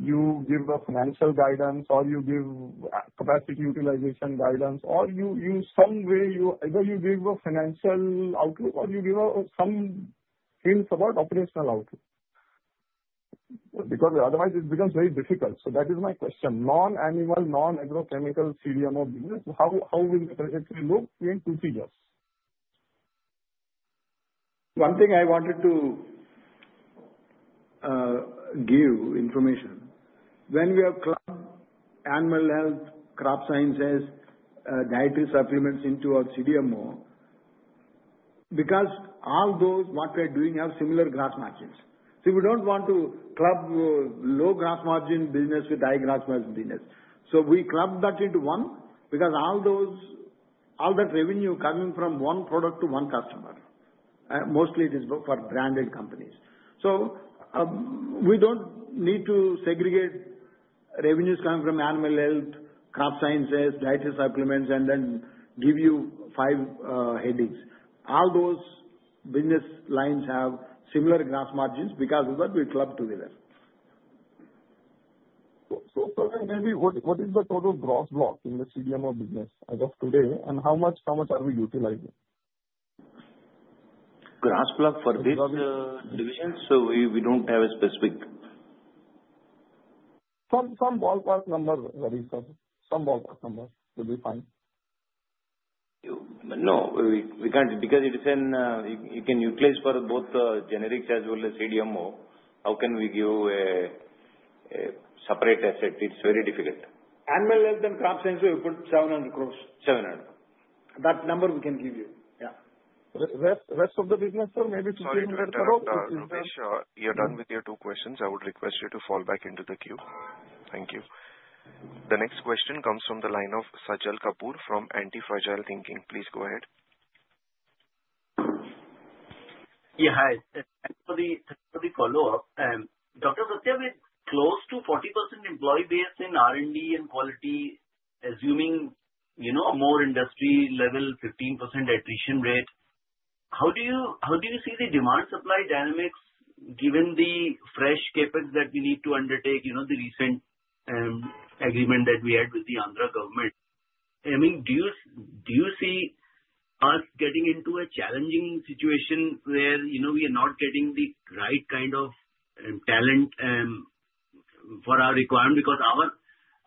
you give a financial guidance or you give capacity utilization guidance, or in some way, either you give a financial outlook or you give some hints about operational outlook. Because otherwise, it becomes very difficult. That is my question. Non-animal, non-agrochemical CDMO business, how will the trajectory look in two, three years? One thing I wanted to give information. When we have clubbed animal health, crop sciences, dietary supplements into our CDMO, because all those what we are doing have similar gross margins. We do not want to club low gross margin business with high gross margin business. We club that into one because all that revenue coming from one product to one customer. Mostly, it is for branded companies. We do not need to segregate revenues coming from animal health, crop sciences, dietary supplements, and then give you five headings. All those business lines have similar gross margins because of that we club together. Sir, maybe what is the total gross block in the CDMO business as of today? How much are we utilizing? Gross block for this division? We don't have a specific. Some ballpark number, Ravi sir. Some ballpark number will be fine. No. Because it can utilize for both generics as well as CDMO, how can we give a separate asset? It is very difficult. Animal health and crop science, we put 700 crore. 700 crore. That number we can give you. Yeah. Rest of the business, sir, maybe INR 1,500 crores? Okay. Sir, you're done with your two questions. I would request you to fall back into the queue. Thank you. The next question comes from the line of Sajal Kapoor from Antifragile Thinking. Please go ahead. Yeah. Hi. Thanks for the follow-up. Dr. Satya, with close to 40% employee base in R&D and quality, assuming more industry-level 15% attrition rate, how do you see the demand-supply dynamics given the fresh CapEx that we need to undertake, the recent agreement that we had with the Andhra government? I mean, do you see us getting into a challenging situation where we are not getting the right kind of talent for our requirement? Because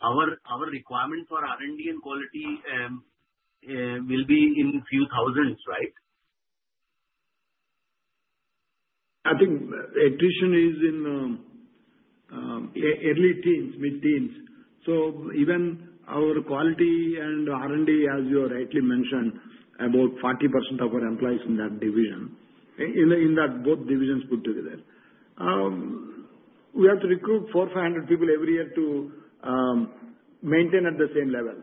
our requirement for R&D and quality will be in a few thousands, right? I think attrition is in the early teens, mid-teens. Even our quality and R&D, as you rightly mentioned, about 40% of our employees in that division, in both divisions put together. We have to recruit 400-500 people every year to maintain at the same level.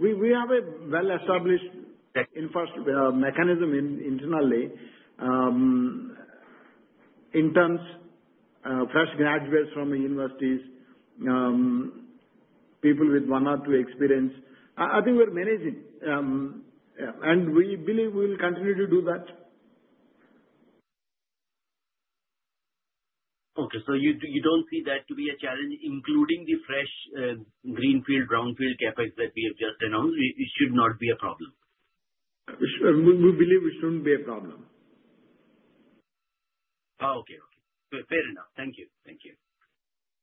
We have a well-established mechanism internally, interns, fresh graduates from universities, people with one or two experience. I think we're managing. We believe we will continue to do that. Okay. You do not see that to be a challenge, including the fresh greenfield, brownfield CapEx that we have just announced? It should not be a problem. We believe it shouldn't be a problem. Oh, okay. Okay. Fair enough. Thank you. Thank you.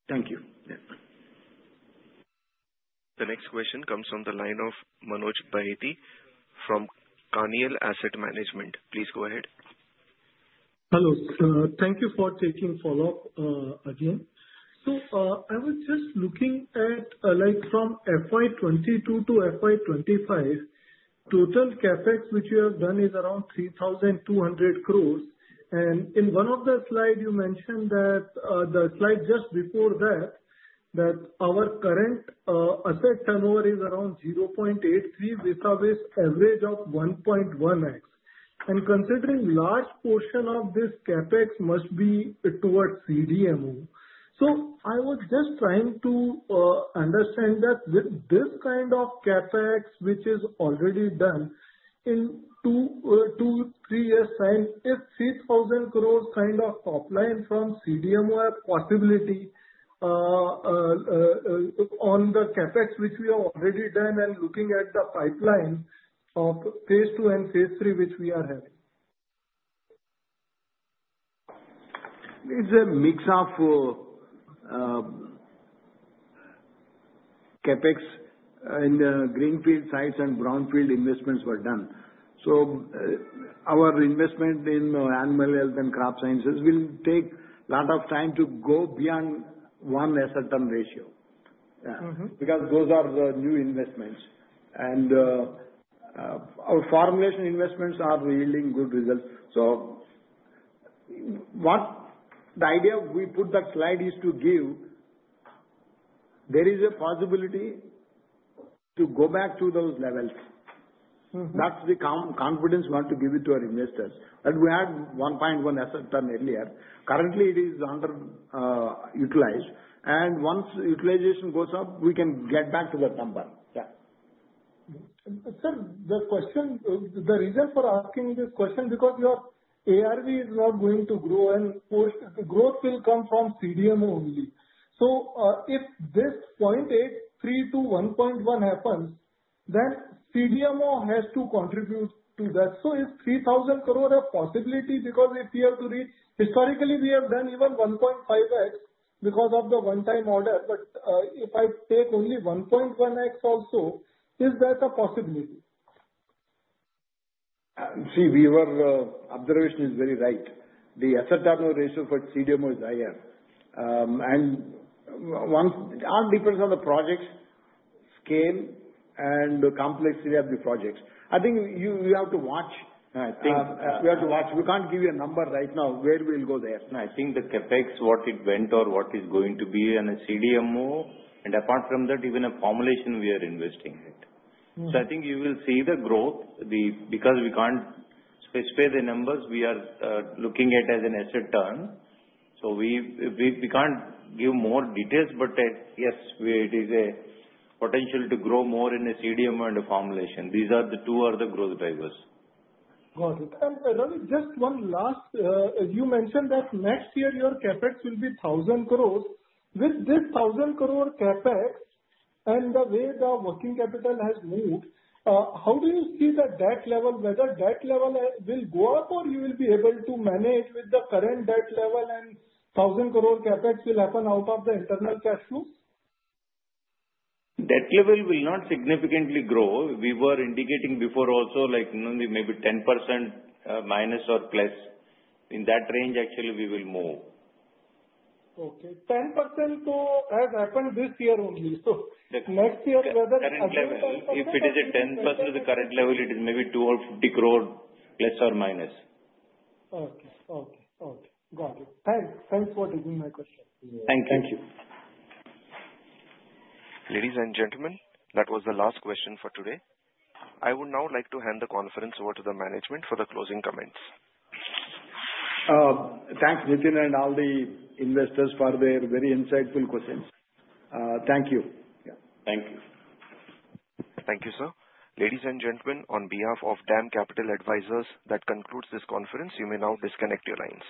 Thank you. The next question comes from the line of Manoj Bahety from Carnelian Asset Management. Please go ahead. Hello. Thank you for taking follow-up again. I was just looking at from FY 2022 to FY 2025, total capex which we have done is around 3,200 crores. In one of the slides, you mentioned that the slide just before that, that our current asset turnover is around 0.83 with an average of 1.1x. Considering a large portion of this capex must be towards CDMO, I was just trying to understand that with this kind of capex, which is already done in two-three years' time, if 3,000 crores kind of top line from CDMO have possibility on the capex which we have already done and looking at the pipeline of phase two and phase three which we are having? It's a mix of CapEx in the greenfield sites and brownfield investments were done. Our investment in animal health and crop sciences will take a lot of time to go beyond one asset turn ratio because those are the new investments. Our formulation investments are yielding good results. The idea we put that slide is to give there is a possibility to go back to those levels. That's the confidence we want to give it to our investors. We had 1.1 asset turn earlier. Currently, it is underutilized. Once utilization goes up, we can get back to that number. Yeah. Sir, the reason for asking this question is because your ARV is not going to grow, and growth will come from CDMO only. If this 0.83 to 1.1 happens, then CDMO has to contribute to that. If 3,000 crore is a possibility because if we have to read historically, we have done even 1.5x because of the one-time order. If I take only 1.1x also, is that a possibility? See, observation is very right. The asset turnover ratio for CDMO is higher. It all depends on the project scale and the complexity of the projects. I think we have to watch. No, I think. We have to watch. We can't give you a number right now where we'll go there. No, I think the CapEx, what it went or what it's going to be in a CDMO. Apart from that, even a formulation we are investing in. I think you will see the growth because we can't spare the numbers. We are looking at it as an asset turn. We can't give more details, but yes, it is a potential to grow more in a CDMO and a formulation. These are the two other growth drivers. Got it. Ravish, just one last. You mentioned that next year your capex will be 1,000 crore. With this 1,000 crore capex and the way the working capital has moved, how do you see that debt level, whether debt level will go up or you will be able to manage with the current debt level and 1,000 crore capex will happen out of the internal cash flow? Debt level will not significantly grow. We were indicating before also maybe 10% minus or plus. In that range, actually, we will move. Okay. 10% has happened this year only. Next year, whether it's 10% or. If it is a 10% of the current level, it is maybe 250 crore less or minus. Okay. Okay. Okay. Got it. Thanks for taking my question. Thank you. Thank you. Ladies and gentlemen, that was the last question for today. I would now like to hand the conference over to the management for the closing comments. Thanks, Nitin and all the investors for their very insightful questions. Thank you. Yeah. Thank you. Thank you, sir. Ladies and gentlemen, on behalf of Dam Capital Advisors, that concludes this conference. You may now disconnect your lines.